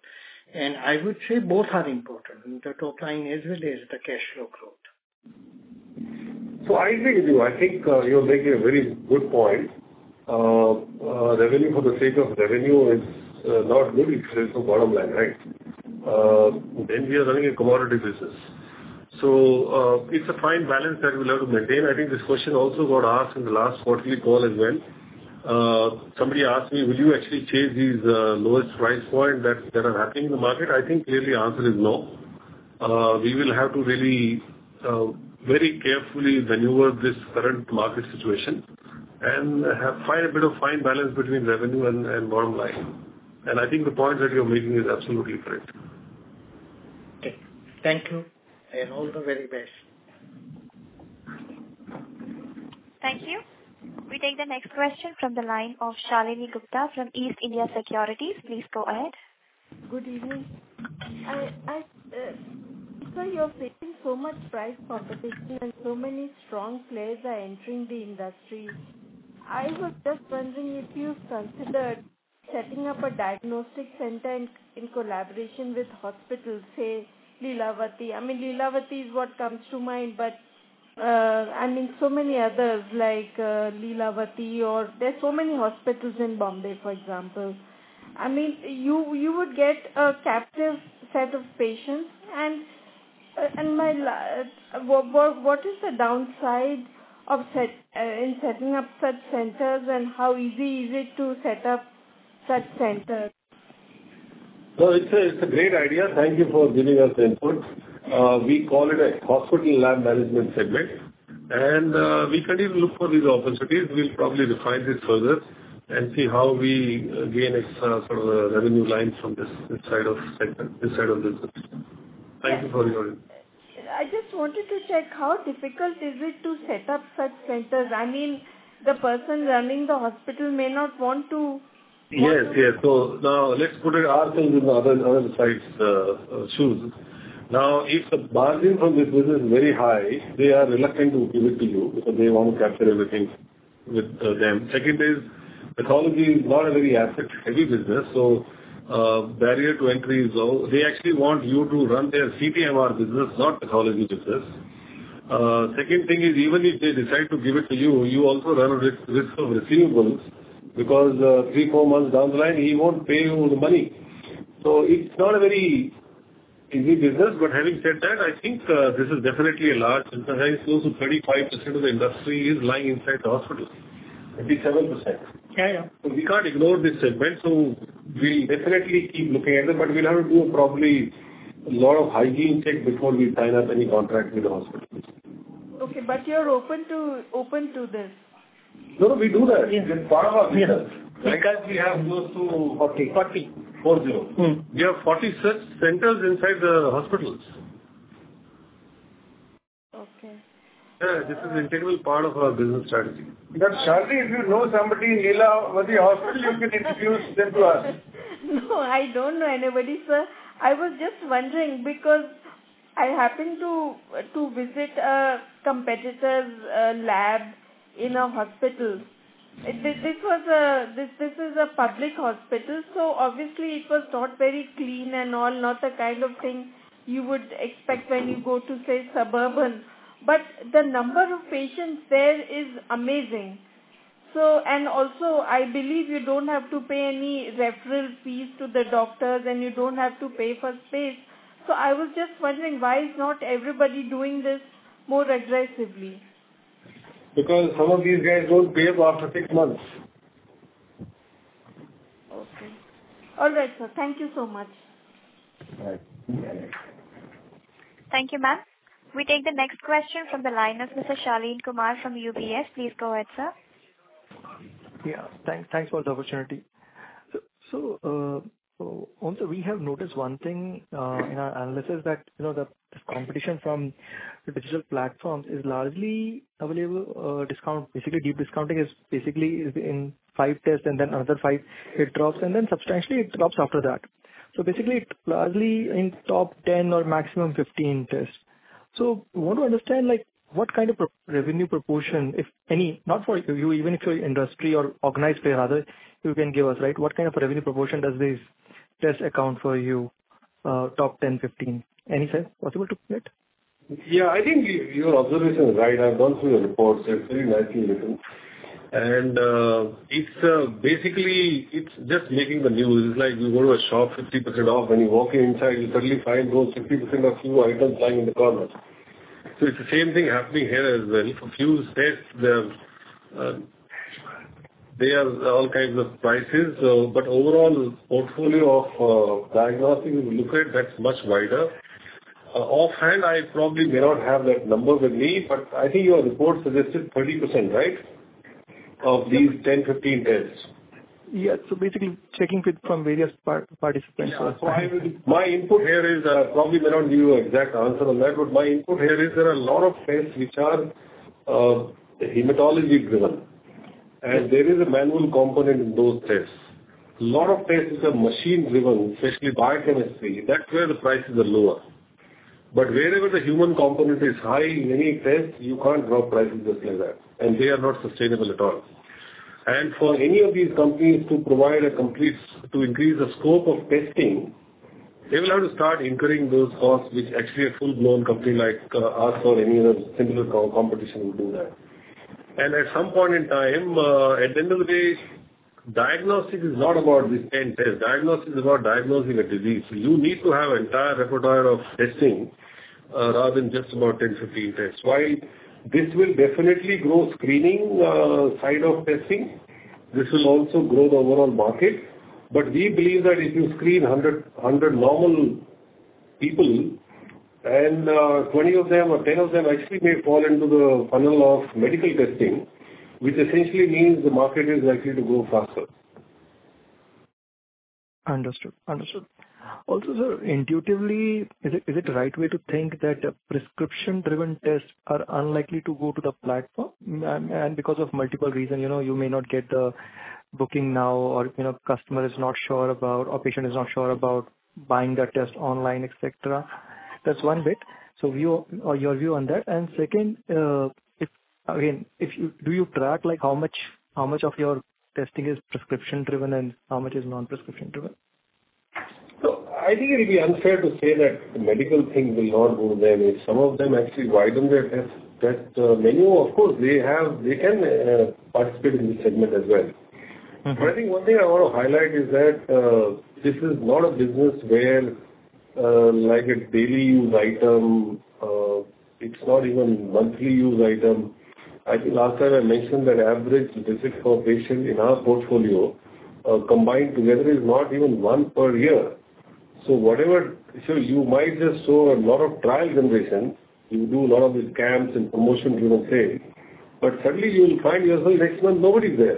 I would say both are important, the top line as well as the cash flow growth. I agree with you. I think you're making a very good point. Revenue for the sake of revenue is not good if there is no bottom line, right? Then we are running a commodity business. It's a fine balance that we'll have to maintain. I think this question also got asked in the last quarterly call as well. Somebody asked me, "Will you actually chase these lowest price point that are happening in the market?" I think clearly answer is no. We will have to really very carefully maneuver this current market situation and find a bit of fine balance between revenue and bottom line. I think the point that you're making is absolutely correct. Okay. Thank you, and all the very best. Thank you. We take the next question from the line of Shalini Gupta from East India Securities. Please go ahead. Good evening. Sir, you're facing so much price competition and so many strong players are entering the industry. I was just wondering if you considered setting up a diagnostic center in collaboration with hospitals, say Lilavati. I mean, Lilavati is what comes to mind, but I mean so many others like Lilavati or there are so many hospitals in Bombay, for example. I mean, you would get a captive set of patients. What is the downside of setting up such centers, and how easy is it to set up such centers? No, it's a great idea. Thank you for giving us input. We call it a hospital lab management segment, and we continue to look for these opportunities. We'll probably refine this further and see how we gain extra sort of revenue lines from this side of segment, this side of business. Thank you for your input. I just wanted to check how difficult is it to set up such centers? I mean, the person running the hospital may not want to. Yes. Now let's put ourselves in the other side's shoes. If the margin from this business is very high, they are reluctant to give it to you because they want to capture everything with them. Second, pathology is not a very asset-heavy business, so barrier to entry is low. They actually want you to run their CPMR business, not pathology business. Second thing is even if they decide to give it to you also run a risk of receivables because 3, 4 months down the line, he won't pay you the money. It's not a very easy business. Having said that, I think this is definitely a large enterprise. Close to 35% of the industry is lying inside the hospitals. 37%. Yeah, yeah. We can't ignore this segment, so we'll definitely keep looking at it. We'll have to do probably a lot of hygiene check before we sign up any contract with the hospitals. Okay, you're open to this? No, no, we do that. Yes. It's part of our business. Yes. Right now we have close to 40. Forty. Four-zero. Mm-hmm. We have 40 such centers inside the hospitals. Okay. Yeah, this is integral part of our business strategy. Shaleen Suchanit, if you know somebody in Lilavati Hospital, you can introduce them to us. No, I don't know anybody, sir. I was just wondering because I happen to visit a competitor's lab in a hospital. It was a public hospital, so obviously it was not very clean and all, not the kind of thing you would expect when you go to, say, Suburban. The number of patients there is amazing. I believe you don't have to pay any referral fees to the doctors, and you don't have to pay for space. I was just wondering, why is not everybody doing this more aggressively? Because some of these gus don't pay up after six months. Okay. All right, sir. Thank you so much. All right. Thank you, ma'am. We take the next question from the line of Mr. Sharleen Kumar from UBS. Please go ahead, sir. Yeah. Thanks for the opportunity. Also we have noticed one thing in our analysis that, you know, the competition from the digital platforms is largely available discount. Basically, deep discounting is basically in five tests and then another five it drops, and then substantially it drops after that. Basically it's largely in top ten or maximum fifteen tests. Want to understand, like what kind of revenue proportion, if any, not for you, even if for your industry or organized player rather, you can give us, right? What kind of revenue proportion does this test account for you? Top ten, fifteen. Any sense, possible to predict? Yeah, I think your observation is right. I've gone through your reports. They're very nicely written. It's basically just making the news. It's like you go to a shop 50% off, when you walk inside, you'll suddenly find those 50% off few items lying in the corner. It's the same thing happening here as well. For few tests, they have all kinds of prices. But overall portfolio of diagnostic if you look at, that's much wider. Offhand I probably may not have that number with me, but I think your report suggested 20%, right? Of these 10, 15 tests. Yeah. Basically checking in from various participants. Yeah. My input here is, I probably may not give you an exact answer on that, but my input here is there are a lot of tests which are hematology driven, and there is a manual component in those tests. Lot of tests which are machine driven, especially biochemistry, that's where the prices are lower. But wherever the human component is high in any test, you can't drop prices just like that, and they are not sustainable at all. For any of these companies to increase the scope of testing, they will have to start incurring those costs, which actually a full-blown company like us or any other similar competition would do that. At some point in time, at the end of the day, diagnostics is not about these 10 tests. Diagnostics is about diagnosing a disease. You need to have entire repertoire of testing, rather than just about 10 to 15 tests. While this will definitely grow screening side of testing, this will also grow the overall market. We believe that if you screen 100 normal people, and 20 of them or 10 of them actually may fall into the funnel of medical testing, which essentially means the market is likely to grow faster. Understood. Also, sir, intuitively, is it the right way to think that prescription-driven tests are unlikely to go to the platform? Because of multiple reasons, you know, you may not get a booking now or, you know, the patient is not sure about buying that test online, et cetera. That's one bit. Your view on that. Second, do you track, like how much of your testing is prescription driven and how much is non-prescription driven? I think it'll be unfair to say that the medical thing will not go there. If some of them actually widen their test menu, of course, they can participate in this segment as well. Mm-hmm. I think one thing I wanna highlight is that this is not a business where, like a daily use item, it's not even monthly use item. I think last time I mentioned that average visit for a patient in our portfolio, combined together is not even one per year. You might just show a lot of trial generation. You do lot of these camps and promotion driven sales, but suddenly you will find yourself next month nobody is there.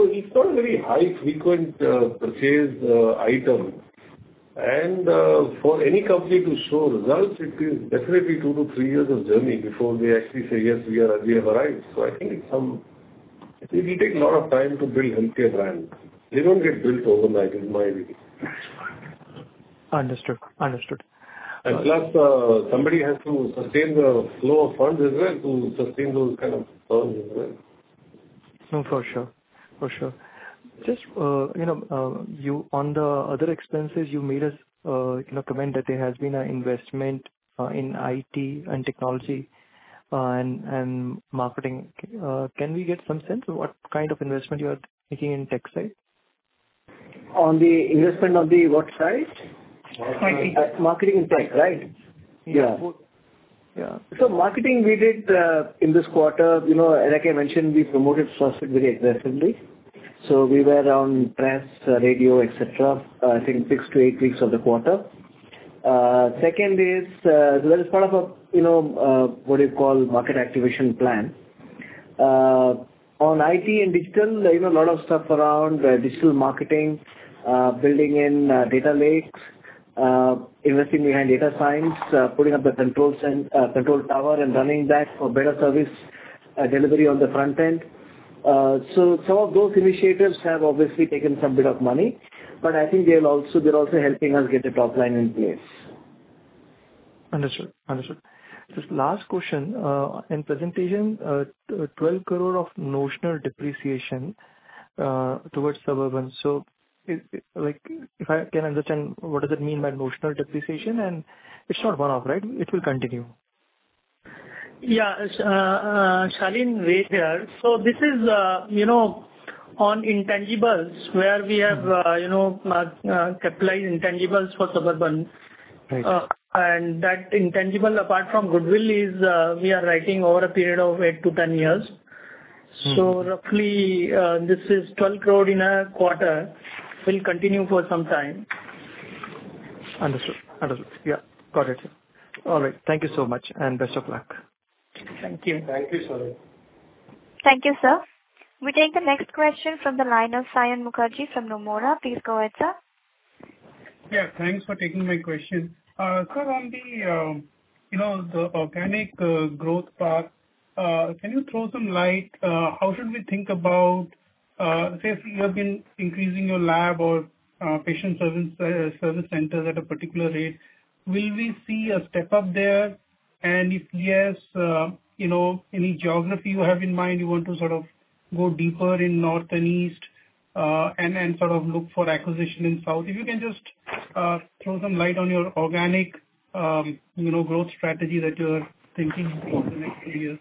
It's not very high frequent purchase item. For any company to show results, it is definitely two to three years of journey before they actually say, "Yes, we are, we have arrived." It will take lot of time to build healthcare brands. They don't get built overnight, in my view. Understood. Plus, somebody has to sustain the flow of funds as well to sustain those kind of firms as well. No, for sure. Just, you know, on the other expenses, you made a comment that there has been an investment in IT and technology and marketing. Can we get some sense of what kind of investment you are making in tech side? On the investment, on the what side? Marketing. Marketing and tech, right? Yeah. Yeah. Marketing we did in this quarter. You know, like I mentioned, we promoted first very aggressively, so we were on press, radio, et cetera, I think six to eight weeks of the quarter. Second is part of a, you know, what you call market activation plan. On IT and digital, there is a lot of stuff around digital marketing, building in data lakes, investing behind data science, putting up the controls and control tower and running that for better service delivery on the front end. Some of those initiatives have obviously taken some bit of money, but I think they're also helping us get the top line in place. Understood. Just last question. In presentation, 12 crore of notional depreciation towards Suburban. If, like, I can understand, what does it mean by notional depreciation? And it's not one-off, right? It will continue. Shaleen, Ved Prakash Goel here. This is, you know, on intangibles where we have, you know, capitalized intangibles for Suburban. Right. That intangible, apart from goodwill, is we are writing over a period of 8-10 years. Mm-hmm. Roughly, this is 12 crore in a quarter, will continue for some time. Understood. Yeah. Got it. All right. Thank you so much and best of luck. Thank you. Thank you, Shaleen. Thank you, sir. We take the next question from the line of Saion Mukherjee from Nomura. Please go ahead, sir. Yeah, thanks for taking my question. Sir, on the, you know, the organic growth path, can you throw some light how should we think about, say, if you have been increasing your lab or patient service centers at a particular rate, will we see a step up there? If yes, you know, any geography you have in mind you want to sort of go deeper in north and east, and sort of look for acquisition in south. If you can just throw some light on your organic, you know, growth strategy that you're thinking over the next few years.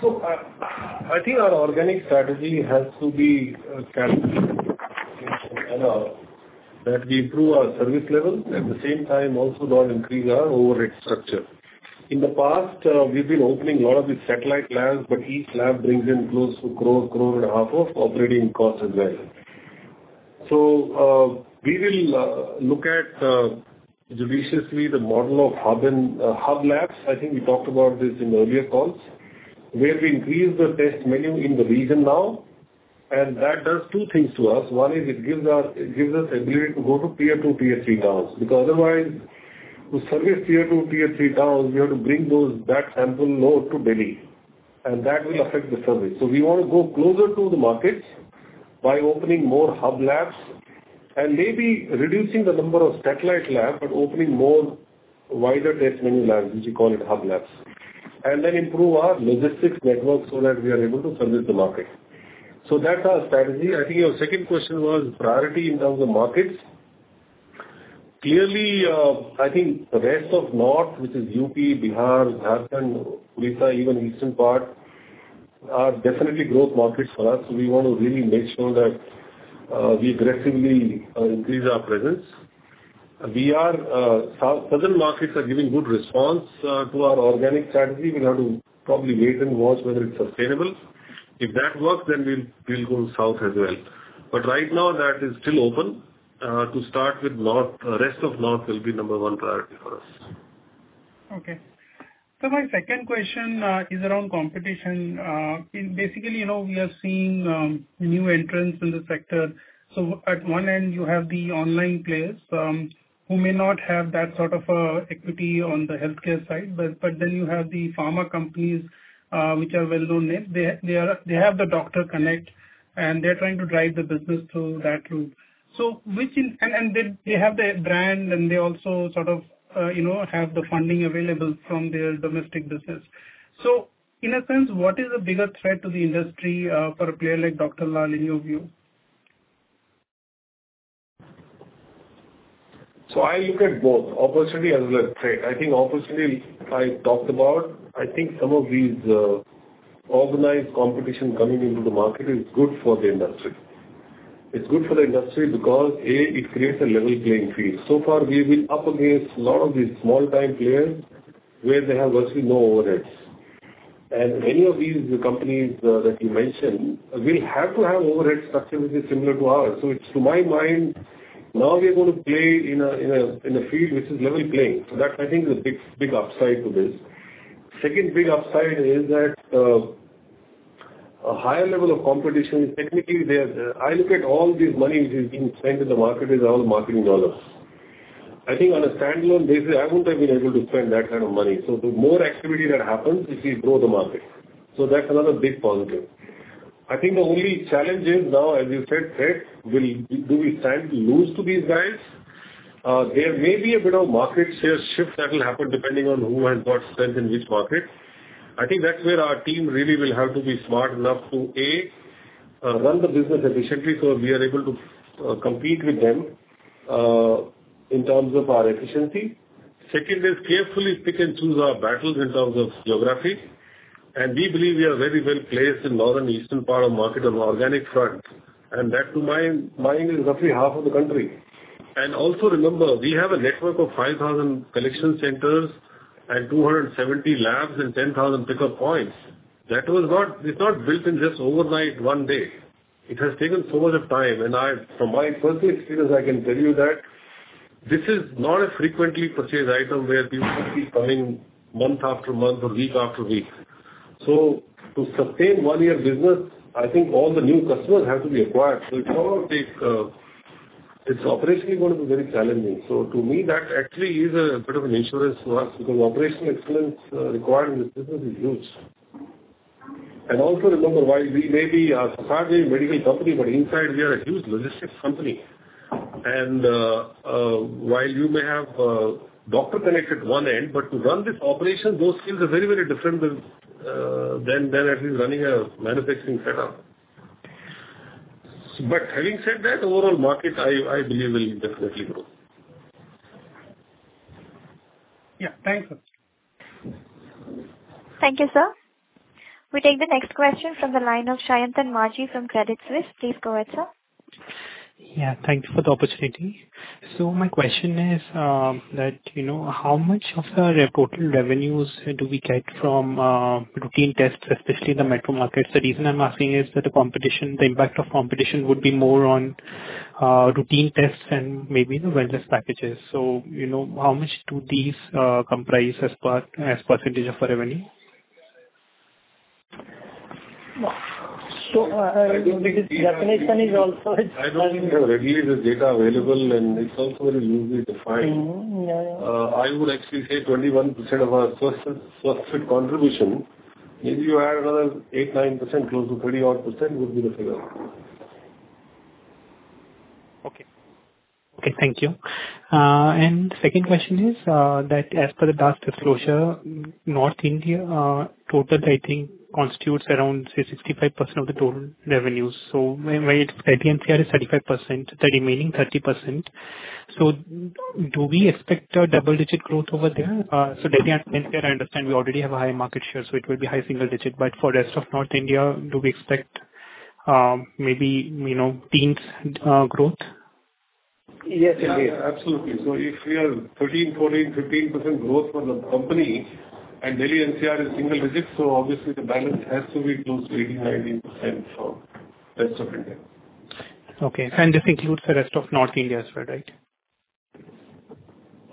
I think our organic strategy has to be capital efficient and that we improve our service levels, at the same time also not increase our overhead structure. In the past, we've been opening a lot of these satellite labs, but each lab brings in close to 1.5 crore of operating costs as well. We will look at judiciously the model of hub and spoke labs. I think we talked about this in earlier calls, where we increase the test menu in the region now. That does two things to us. One is it gives us ability to go to tier two, tier three towns, because otherwise to service tier two, tier three towns, we have to bring the samples back to Delhi, and that will affect the service. We want to go closer to the markets by opening more hub labs and maybe reducing the number of satellite labs, but opening more wider test menu labs, which we call it hub labs. Improve our logistics network so that we are able to service the market. That's our strategy. I think your second question was priority in terms of markets. Clearly, I think the rest of North, which is UP, Bihar, Jharkhand, Odisha, even eastern part, are definitely growth markets for us. We want to really make sure that we aggressively increase our presence. Southern markets are giving good response to our organic strategy. We'll have to probably wait and watch whether it's sustainable. If that works, then we'll go south as well. Right now that is still open. To start with north, rest of north will be number one priority for us. Okay. My second question is around competition. Basically, you know, we are seeing new entrants in the sector. At one end you have the online players who may not have that sort of equity on the healthcare side, but then you have the pharma companies which are well-known name. They have the doctor connect and they're trying to drive the business through that route. They have the brand and they also sort of, you know, have the funding available from their domestic business. In a sense, what is the bigger threat to the industry for a player like Dr. Lal in your view? I look at both opportunity as well as threat. I think opportunity I talked about. I think some of these organized competition coming into the market is good for the industry. It's good for the industry because, A, it creates a level playing field. So far we've been up against a lot of these small time players where they have virtually no overheads. Many of these companies that you mentioned will have to have overhead structure which is similar to ours. It's to my mind now we're going to play in a field which is level playing. That I think is a big upside to this. Second big upside is that a higher level of competition. I look at all this money which is being spent in the market is all marketing dollars. I think on a standalone basis, I wouldn't have been able to spend that kind of money. The more activity that happens is we grow the market. That's another big positive. I think the only challenge is now, as you said, threat. Will we stand to lose to these guys? There may be a bit of market share shift that will happen depending on who has got strength in which market. I think that's where our team really will have to be smart enough to, A, run the business efficiently so we are able to compete with them in terms of our efficiency. Second is carefully pick and choose our battles in terms of geography. We believe we are very well placed in northern eastern part of market on the organic front, and that to my mind is roughly half of the country. Also remember, we have a network of 5,000 collection centers and 270 labs and 10,000 pickup points. It's not built in just overnight one day. It has taken so much of time. From my personal experience, I can tell you that this is not a frequently purchased item where people keep coming month after month or week after week. To sustain one year business, I think all the new customers have to be acquired. It's gonna take, it's operationally going to be very challenging. To me, that actually is a bit of an insurance to us because operational excellence required in this business is huge. Remember, while we may be a secondary medical company, but inside we are a huge logistics company. While you may have a doctor connected one end, but to run this operation, those skills are very, very different than at least running a manufacturing setup. Having said that, overall market, I believe will definitely grow. Yeah. Thanks, sir. Thank you, sir. We take the next question from the line of Sayantan Maji from Credit Suisse. Please go ahead, sir. Yeah, thank you for the opportunity. My question is, you know, how much of our total revenues do we get from routine tests, especially in the metro markets? The reason I'm asking is that the competition, the impact of competition would be more on routine tests and maybe the wellness packages. You know, how much do these comprise as a percentage of our revenue? Definition is also. I don't think we have readily the data available, and it's also very loosely defined. Mm-hmm. Yeah, yeah. I would actually say 21% of our Swasthfit contribution. If you add another 8-9%, close to 30-odd% would be the figure. Okay. Thank you. Second question is that as per the past disclosure, North India total, I think, constitutes around, say, 65% of the total revenue. When Delhi NCR is 35%, the remaining 30%. Do we expect a double-digit growth over there? Delhi NCR, I understand we already have a high market share, so it will be high single digit. But for rest of North India, do we expect maybe, you know, teens growth? Yes. Yeah, yeah, absolutely. If we have 13, 14, 15% growth for the company and Delhi NCR is single digits, so obviously the balance has to be close to 18, 19% for rest of India. Okay. This includes the rest of North India as well, right?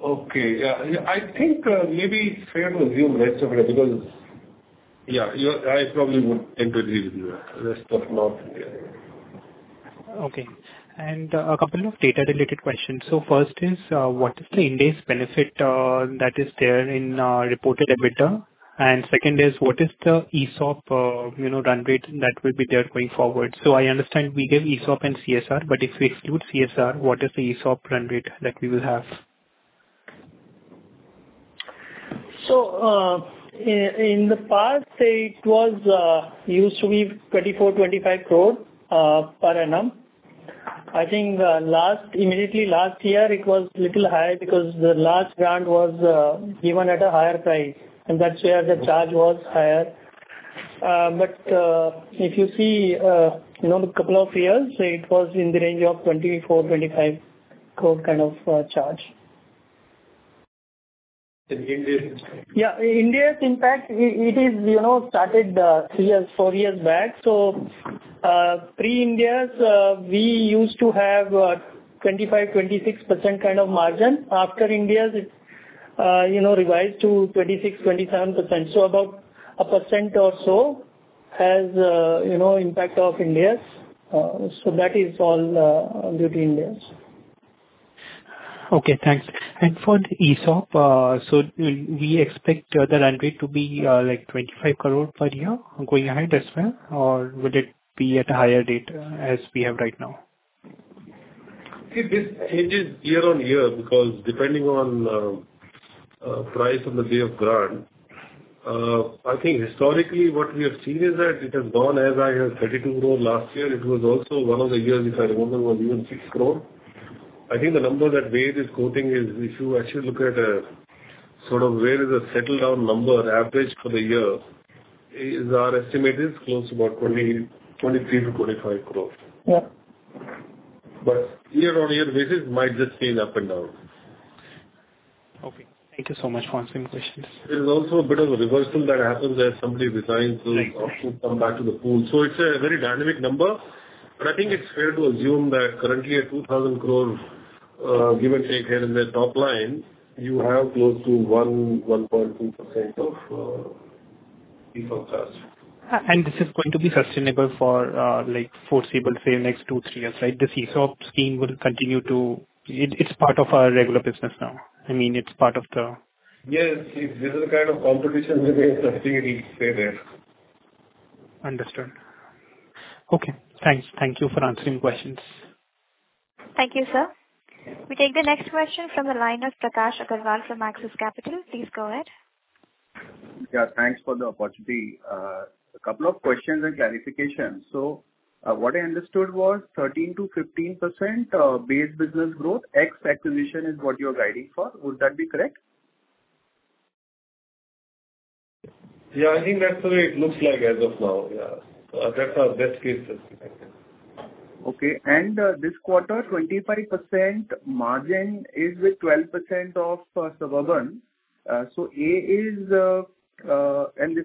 Okay. Yeah. I think maybe it's fair to assume rest of it because, yeah, I probably would tend to agree with you, rest of North India. Okay. A couple of data-related questions. First is what is the Ind AS benefit that is there in reported EBITDA? Second is what is the ESOP you know run rate that will be there going forward? I understand we gave ESOP and CSR, but if we exclude CSR, what is the ESOP run rate that we will have? In the past, it used to be 24-25 crore per annum. I think last, immediately last year it was little high because the large grant was given at a higher price, and that year the charge was higher. If you see, you know, the couple of years, it was in the range of 24-25 crore kind of charge. In Ind AS impact. Yeah. Ind AS impact, it is, you know, started 3 years, 4 years back. Pre Ind AS, we used to have 25%-26% kind of margin. After Ind AS, it, you know, revised to 26%-27%. About 1% or so has, you know, impact of Ind AS. That is all due to Ind AS. Okay, thanks. For the ESOP, so we expect the run rate to be like 25 crore per year going ahead as well? Or would it be at a higher rate as we have right now? It is year-on-year because depending on price on the day of grant. I think historically what we have seen is that it has gone as high as 32 crore last year. It was also one of the years, if I remember, was even 6 crore. I think the number that Ved is quoting is if you actually look at sort of where is the settled down number average for the year is our estimate is close to about 20, 23-25 crore. Yeah. Year-on-year basis might just be up and down. Okay. Thank you so much for answering the questions. There is also a bit of a reversal that happens as somebody resigns to. Right. Right. come back to the pool. It's a very dynamic number, but I think it's fair to assume that currently at 2,000 crore, give or take here in the top line, you have close to 1.2% of ESOP charge. This is going to be sustainable for, like foreseeable, say next two, three years, right? This ESOP scheme will continue to. It's part of our regular business now. I mean, it's part of the Yes. This is the kind of competition where we have to stay there. Understood. Okay. Thanks. Thank you for answering questions. Thank you, sir. We take the next question from the line of Prakash Agarwal from Axis Capital. Please go ahead. Yeah, thanks for the opportunity. A couple of questions and clarifications. What I understood was 13%-15% base business growth ex acquisition is what you're guiding for. Would that be correct? Yeah, I think that's the way it looks like as of now. Yeah. That's our best case estimate. Okay. This quarter, 25% margin is with 12% of Suburban. This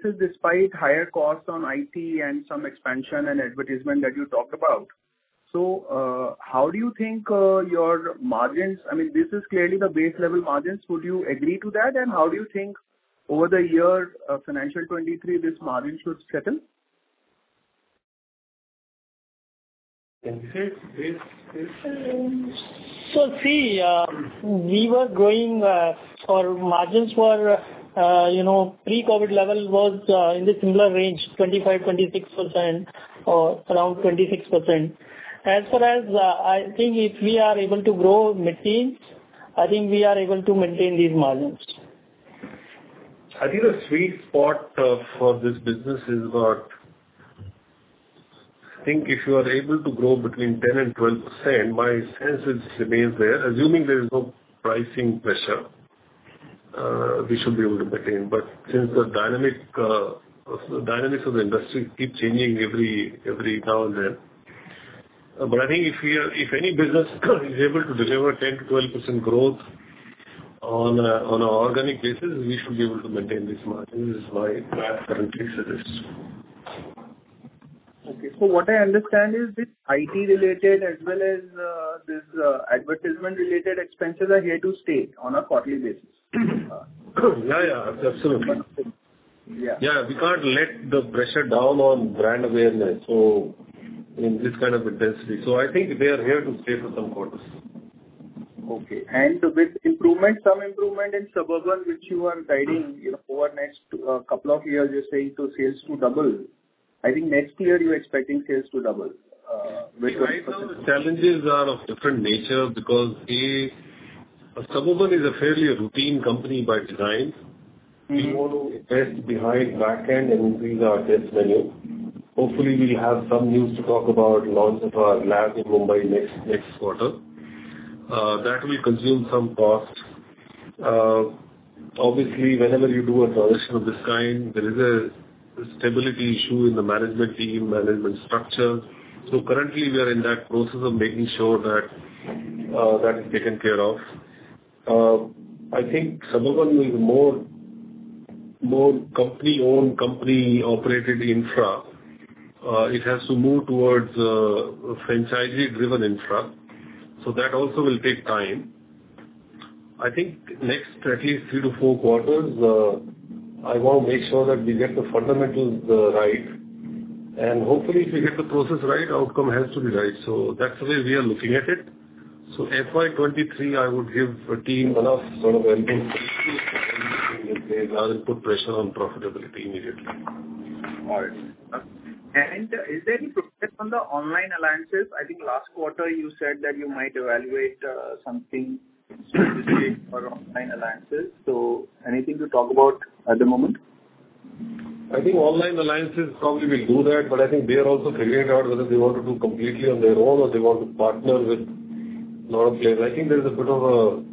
is despite higher costs on IT and some expansion and advertisement that you talked about. How do you think your margins—I mean, this is clearly the base level margins. Would you agree to that? How do you think over the year of financial 2023, this margin should settle? Can you say this, please? See, we were growing, our margins were, you know, pre-COVID level was in the similar range, 25-26% or around 26%. As far as, I think if we are able to grow mid-teens, I think we are able to maintain these margins. I think the sweet spot for this business is about. I think if you are able to grow between 10% and 12%, my sense is it remains there. Assuming there is no pricing pressure, we should be able to maintain. Since the dynamics of the industry keep changing every now and then. I think if any business is able to deliver 10%-12% growth on an organic basis, we should be able to maintain these margins. This is why I currently say this. What I understand is this IT related as well as this advertisement related expenses are here to stay on a quarterly basis. Yeah, yeah, absolutely. Yeah. Yeah, we can't let the pressure down on brand awareness, so in this kind of intensity. I think they are here to stay for some quarters. Okay. With improvement, some improvement in Suburban, which you are guiding, you know, over next couple of years, you're saying to sales to double. I think next year you're expecting sales to double, which. Right now the challenges are of different nature because A, Suburban is a fairly routine company by design. Mm-hmm. We want to invest behind back end and increase our test menu. Hopefully we'll have some news to talk about launch of our lab in Mumbai next quarter. That will consume some cost. Obviously, whenever you do acquisition of this kind, there is a stability issue in the management team, management structure. Currently we are in that process of making sure that that is taken care of. I think Suburban is more company-owned, company-operated infra. It has to move towards franchisee-driven infra. So that also will take time. I think next at least 3-4 quarters, I want to make sure that we get the fundamentals right. Hopefully, if we get the process right, outcome has to be right. So that's the way we are looking at it. FY 2023, I would give the team enough sort of breathing space rather than put pressure on profitability immediately. All right. Is there any progress on the online alliances? I think last quarter you said that you might evaluate something specific for online alliances. Anything to talk about at the moment? I think online alliances probably will do that, but I think they are also figuring out whether they want to do completely on their own or they want to partner with lot of players. I think there is a bit of a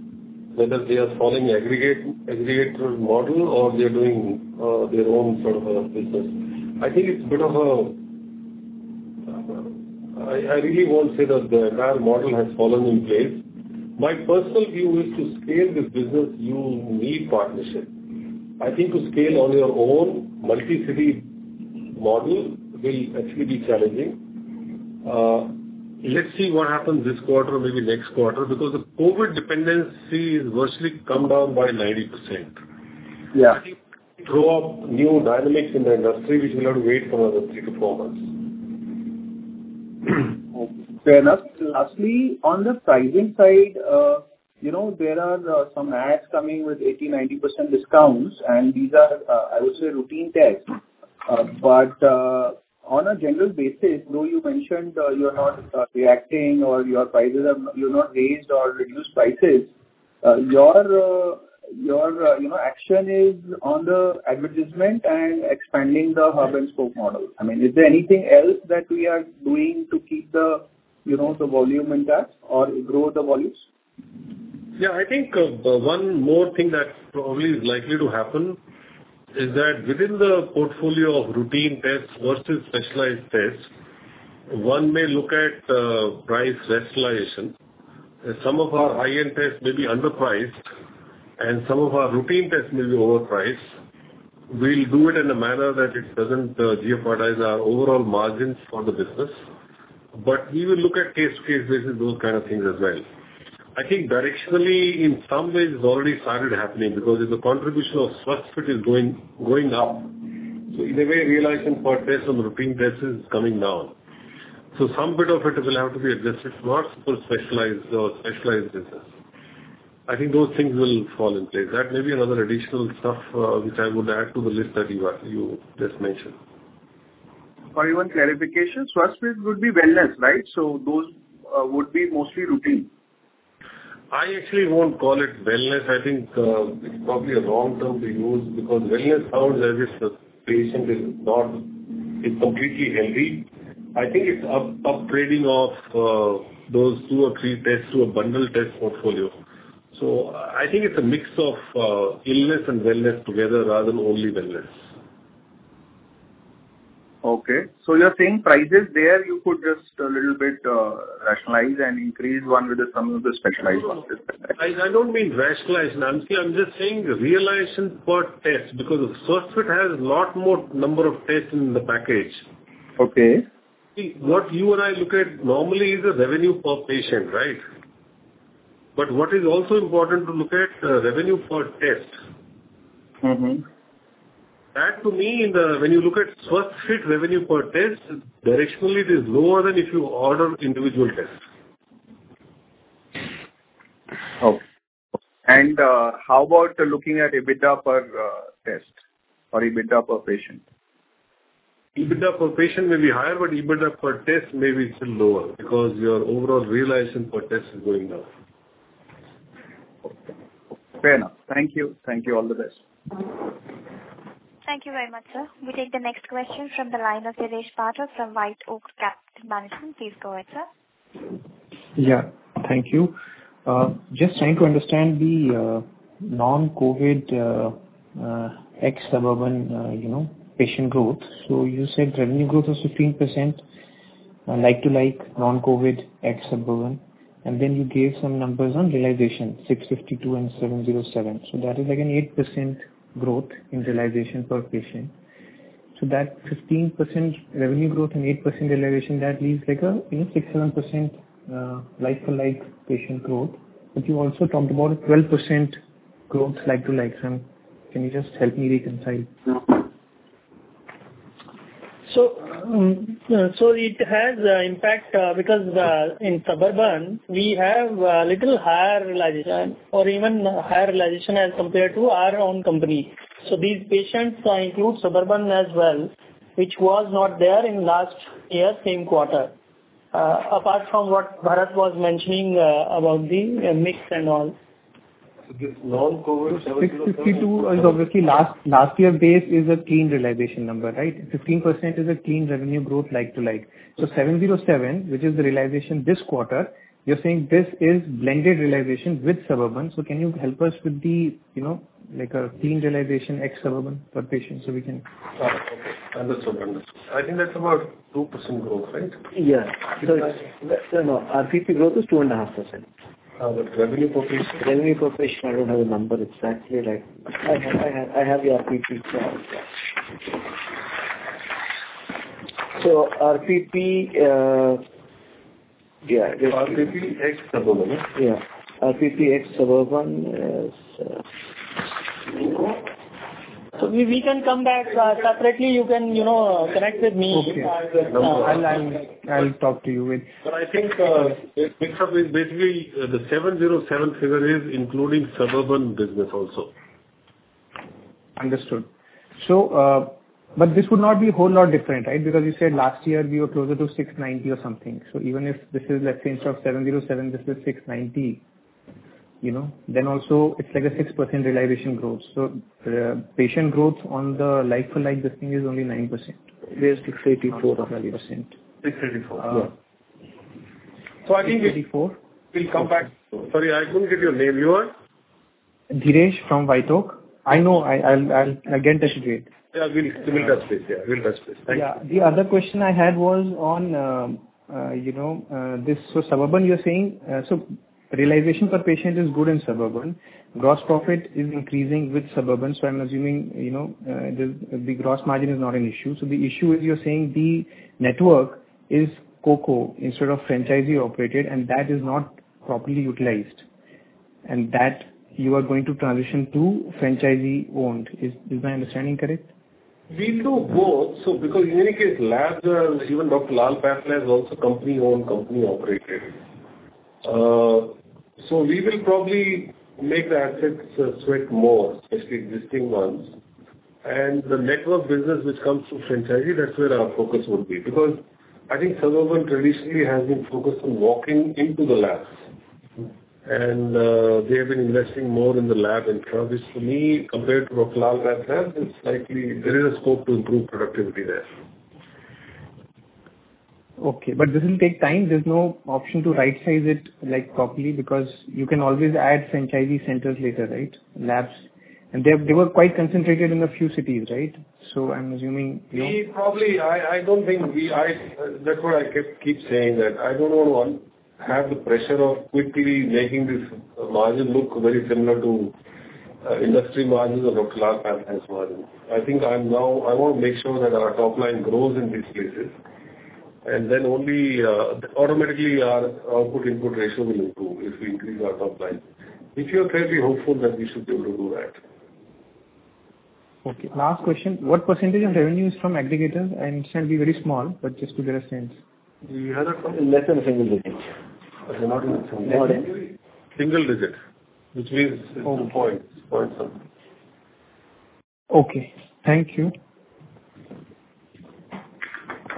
whether they are following aggregator model or they are doing their own sort of a business. I think it's a bit of a. I really won't say that the entire model has fallen in place. My personal view is to scale this business, you need partnership. I think to scale on your own multi-city model will actually be challenging. Let's see what happens this quarter, maybe next quarter, because the COVID dependency is virtually come down by 90%. Yeah. I think throw up new dynamics in the industry which we'll have to wait for another 3-4 months. Fair enough. Lastly, on the pricing side, you know, there are some ads coming with 80, 90% discounts, and these are, I would say, routine tests. On a general basis, though you mentioned, you're not reacting or you've not raised or reduced prices, your, you know, action is on the advertisement and expanding the hub-and-spoke model. I mean, is there anything else that we are doing to keep the, you know, the volume intact or grow the volumes? Yeah, I think one more thing that probably is likely to happen is that within the portfolio of routine tests versus specialized tests, one may look at price rationalization. Some of our high-end tests may be underpriced, and some of our routine tests may be overpriced. We'll do it in a manner that it doesn't jeopardize our overall margins for the business. We will look at case-by-case basis, those kind of things as well. I think directionally, in some ways it's already started happening because the contribution of Swasthfit is going up. In a way, realization per test on the routine tests is coming down. Some bit of it will have to be adjusted towards more specialized business. I think those things will fall in place. That may be another additional stuff, which I would add to the list that you just mentioned. For your clarification, Swasthfit would be wellness, right? Those would be mostly routine. I actually won't call it wellness. I think it's probably a wrong term to use because wellness sounds as if the patient is not is completely healthy. I think it's upgrading of those two or three tests to a bundle test portfolio. I think it's a mix of illness and wellness together rather than only wellness. Okay. You're saying prices there you could just a little bit rationalize and increase one with some of the specialized ones. I don't mean rationalize, Nansi. I'm just saying realization per test, because Swasthfit has lot more number of tests in the package. Okay. What you and I look at normally is the revenue per patient, right? What is also important to look at, revenue per test. Mm-hmm. When you look at Swasthfit revenue per test, directionally it is lower than if you order individual tests. How about looking at EBITDA per test or EBITDA per patient? EBITDA per patient may be higher, but EBITDA per test may be still lower because your overall realization per test is going down. Okay. Fair enough. Thank you. All the best. Thank you very much, sir. We take the next question from the line of Dheeresh Bhatta from White Oak Capital Management. Please go ahead, sir. Yeah. Thank you. Just trying to understand the non-COVID ex-Suburban patient growth. You said revenue growth was 15% like-for-like non-COVID ex-Suburban, and then you gave some numbers on realization, 652 and 707. That is like an 8% growth in realization per patient. That 15% revenue growth and 8% realization leaves like a 6-7% like-for-like patient growth. But you also talked about a 12% growth like-for-like. Can you just help me reconcile? It has impact because in Suburban we have a little higher realization or even higher realization as compared to our own company. These patients, I include Suburban as well, which was not there in last year same quarter. Apart from what Bharath was mentioning about the mix and all. This non-COVID- 652 is obviously last year base is a clean realization number, right? 15% is a clean revenue growth like-for-like. 707, which is the realization this quarter, you're saying this is blended realization with Suburban. Can you help us with the, you know, like a clean realization ex-Suburban per patient, so we can- Oh, okay. Understood. I think that's about 2% growth, right? Our PP growth is 2.5%. Revenue per patient? Revenue per patient, I don't have a number exactly like. I have the RPP. RPP, yeah. RPP ex-Suburban. Yeah. RPP ex-Suburban is... We can come back. Separately you can, you know, connect with me. Okay. I'll talk to you. I think it picks up with basically the 707 figure is including Suburban business also. Understood. This would not be whole lot different, right? Because you said last year we were closer to 690 or something. Even if this is, let's say, instead of 707 this is 690, you know, then also it's like a 6% realization growth. Patient growth on the like-to-like this thing is only 9%. Where's 684%? 684. Yeah. I think we Eighty-four. We'll come back. Sorry, I couldn't get your name. You are? Dheeresh Bhatta from White Oak Capital Management. I know I'll again touch base. Yeah, we'll touch base. Yeah, we'll touch base. Thank you. Yeah. The other question I had was on, you know, this. Suburban you're saying realization per patient is good in Suburban. Gross profit is increasing with Suburban, so I'm assuming, you know, the gross margin is not an issue. The issue is you're saying the network is Coco instead of franchisee operated, and that is not properly utilized, and that you are going to transition to franchisee-owned. Is my understanding correct? We do both. Because in any case Labster, even Dr. Lal PathLabs is also company-owned, company-operated. We will probably make the assets sweat more, especially existing ones. The network business which comes from franchisee, that's where our focus would be. Because I think Suburban traditionally has been focused on walking into the labs and they have been investing more in the lab itself. Which for me compared to a Lal PathLabs is likely. There is a scope to improve productivity there. Okay. This will take time. There's no option to right-size it, like, properly because you can always add franchisee centers later, right? Labs. They were quite concentrated in a few cities, right? I'm assuming, you know. That's what I kept saying that I don't want to have the pressure of quickly making this margin look very similar to industry margins or Dr. Lal PathLabs' margin. I think I want to make sure that our top line grows in these places and then only automatically our output-input ratio will improve if we increase our top line. Which we are fairly hopeful that we should be able to do that. Okay, last question. What percentage of revenue is from aggregators? It shall be very small, but just to get a sense. You heard that one? Less than single digits. Okay. Not Single digit, which means it's 2.something%. Okay. Thank you.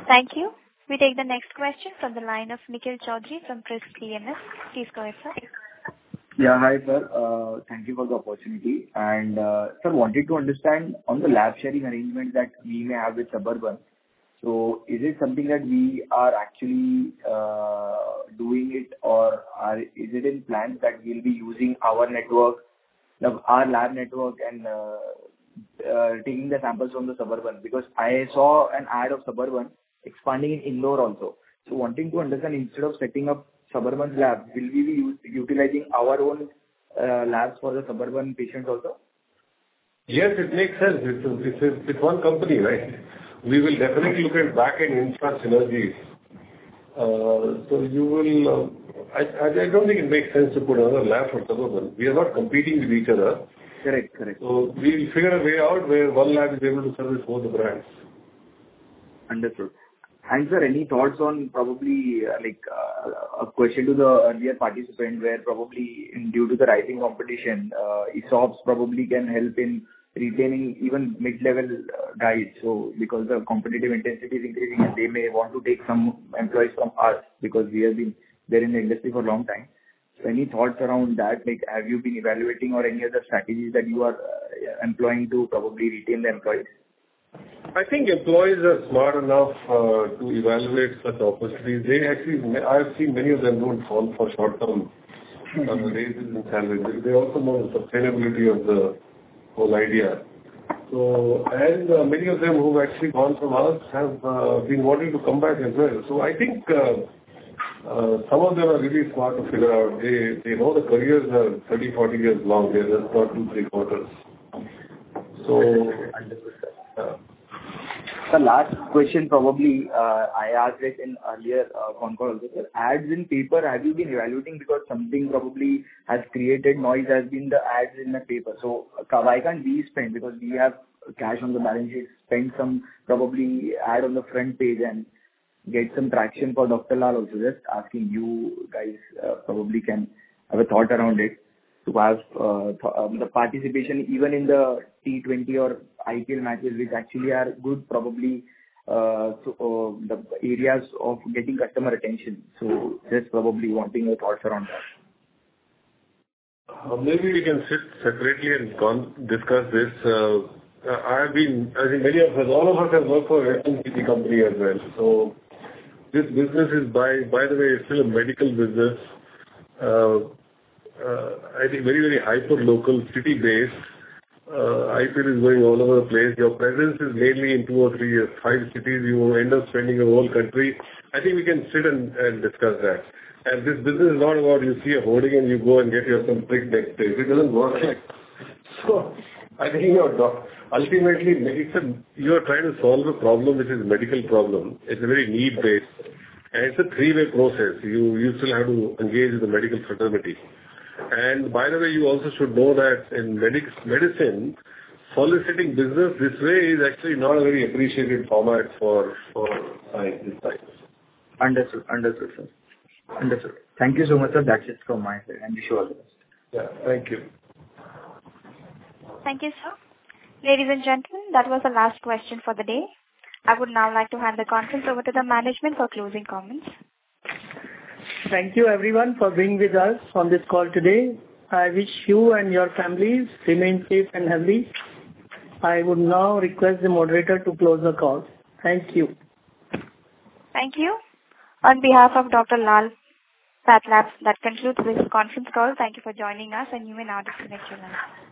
Thank you. We take the next question from the line of Nikhil Chaudhary from Press PMS. Please go ahead, sir. Yeah. Hi, sir. Thank you for the opportunity. Sir, wanted to understand on the lab sharing arrangement that we may have with Suburban. Is it something that we are actually doing it or is it in plans that we'll be using our network, our lab network and taking the samples from the Suburban? Because I saw an ad of Suburban expanding in Indore also. Wanting to understand, instead of setting up Suburban lab, will we be utilizing our own labs for the Suburban patient also? Yes, it makes sense. It's one company, right? We will definitely look at backend infrastructure synergies. I don't think it makes sense to put another lab for Suburban. We are not competing with each other. Correct. Correct. We'll figure a way out where one lab is able to service both the brands. Understood. Sir, any thoughts on probably, like, a question to the earlier participant where probably due to the rising competition, ESOPs probably can help in retaining even mid-level guys. Because the competitive intensity is increasing and they may want to take some employees from us because we have been there in the industry for a long time. Any thoughts around that? Like, have you been evaluating or any other strategies that you are employing to probably retain the employees? I think employees are smart enough to evaluate such opportunities. They actually, I've seen many of them don't fall for short-term. Mm-hmm. kind of raises in salary. They also know the sustainability of the whole idea. As many of them who've actually gone from us have been wanting to come back as well. I think some of them are really smart to figure out. They know the careers are 30, 40 years long. They're just not 2, 3 quarters. Understood, sir. Yeah. Sir, last question probably. I asked it in earlier conference. Ads in paper, have you been evaluating? Because something probably has created noise has been the ads in the paper. Why can't we spend? Because we have cash on the balances, spend some probably ad on the front page and get some traction for Dr. Lal also. Just asking you guys, probably can have a thought around it to have the participation even in the T-twenty or IPL matches, which actually are good probably, so, the areas of getting customer attention. Just probably wanting your thoughts around that. Maybe we can sit separately and discuss this. I think many of us, all of us have worked for FMCG company as well. This business is, by the way, still a medical business. I think very hyperlocal city base. IPL is going all over the place. Your presence is mainly in two or three or five cities. You end up spending a whole country. I think we can sit and discuss that. This business is not what you see a hoarding and you go and get yourself treated next day. It doesn't work like so. I think ultimately, in medicine, you are trying to solve a problem which is medical problem. It's a very need-based, and it's a three-way process. You still have to engage with the medical fraternity. By the way, you also should know that in medicine, soliciting business this way is actually not a very appreciated format for these guys. Understood. Understood, sir. Understood. Thank you so much, sir. That's it from my side. I wish you all the best. Yeah. Thank you. Thank you, sir. Ladies and gentlemen, that was the last question for the day. I would now like to hand the conference over to the management for closing comments. Thank you, everyone, for being with us on this call today. I wish you and your families remain safe and healthy. I would now request the moderator to close the call. Thank you. Thank you. On behalf of Dr. Lal PathLabs, that concludes this conference call. Thank you for joining us, and you may now disconnect your lines.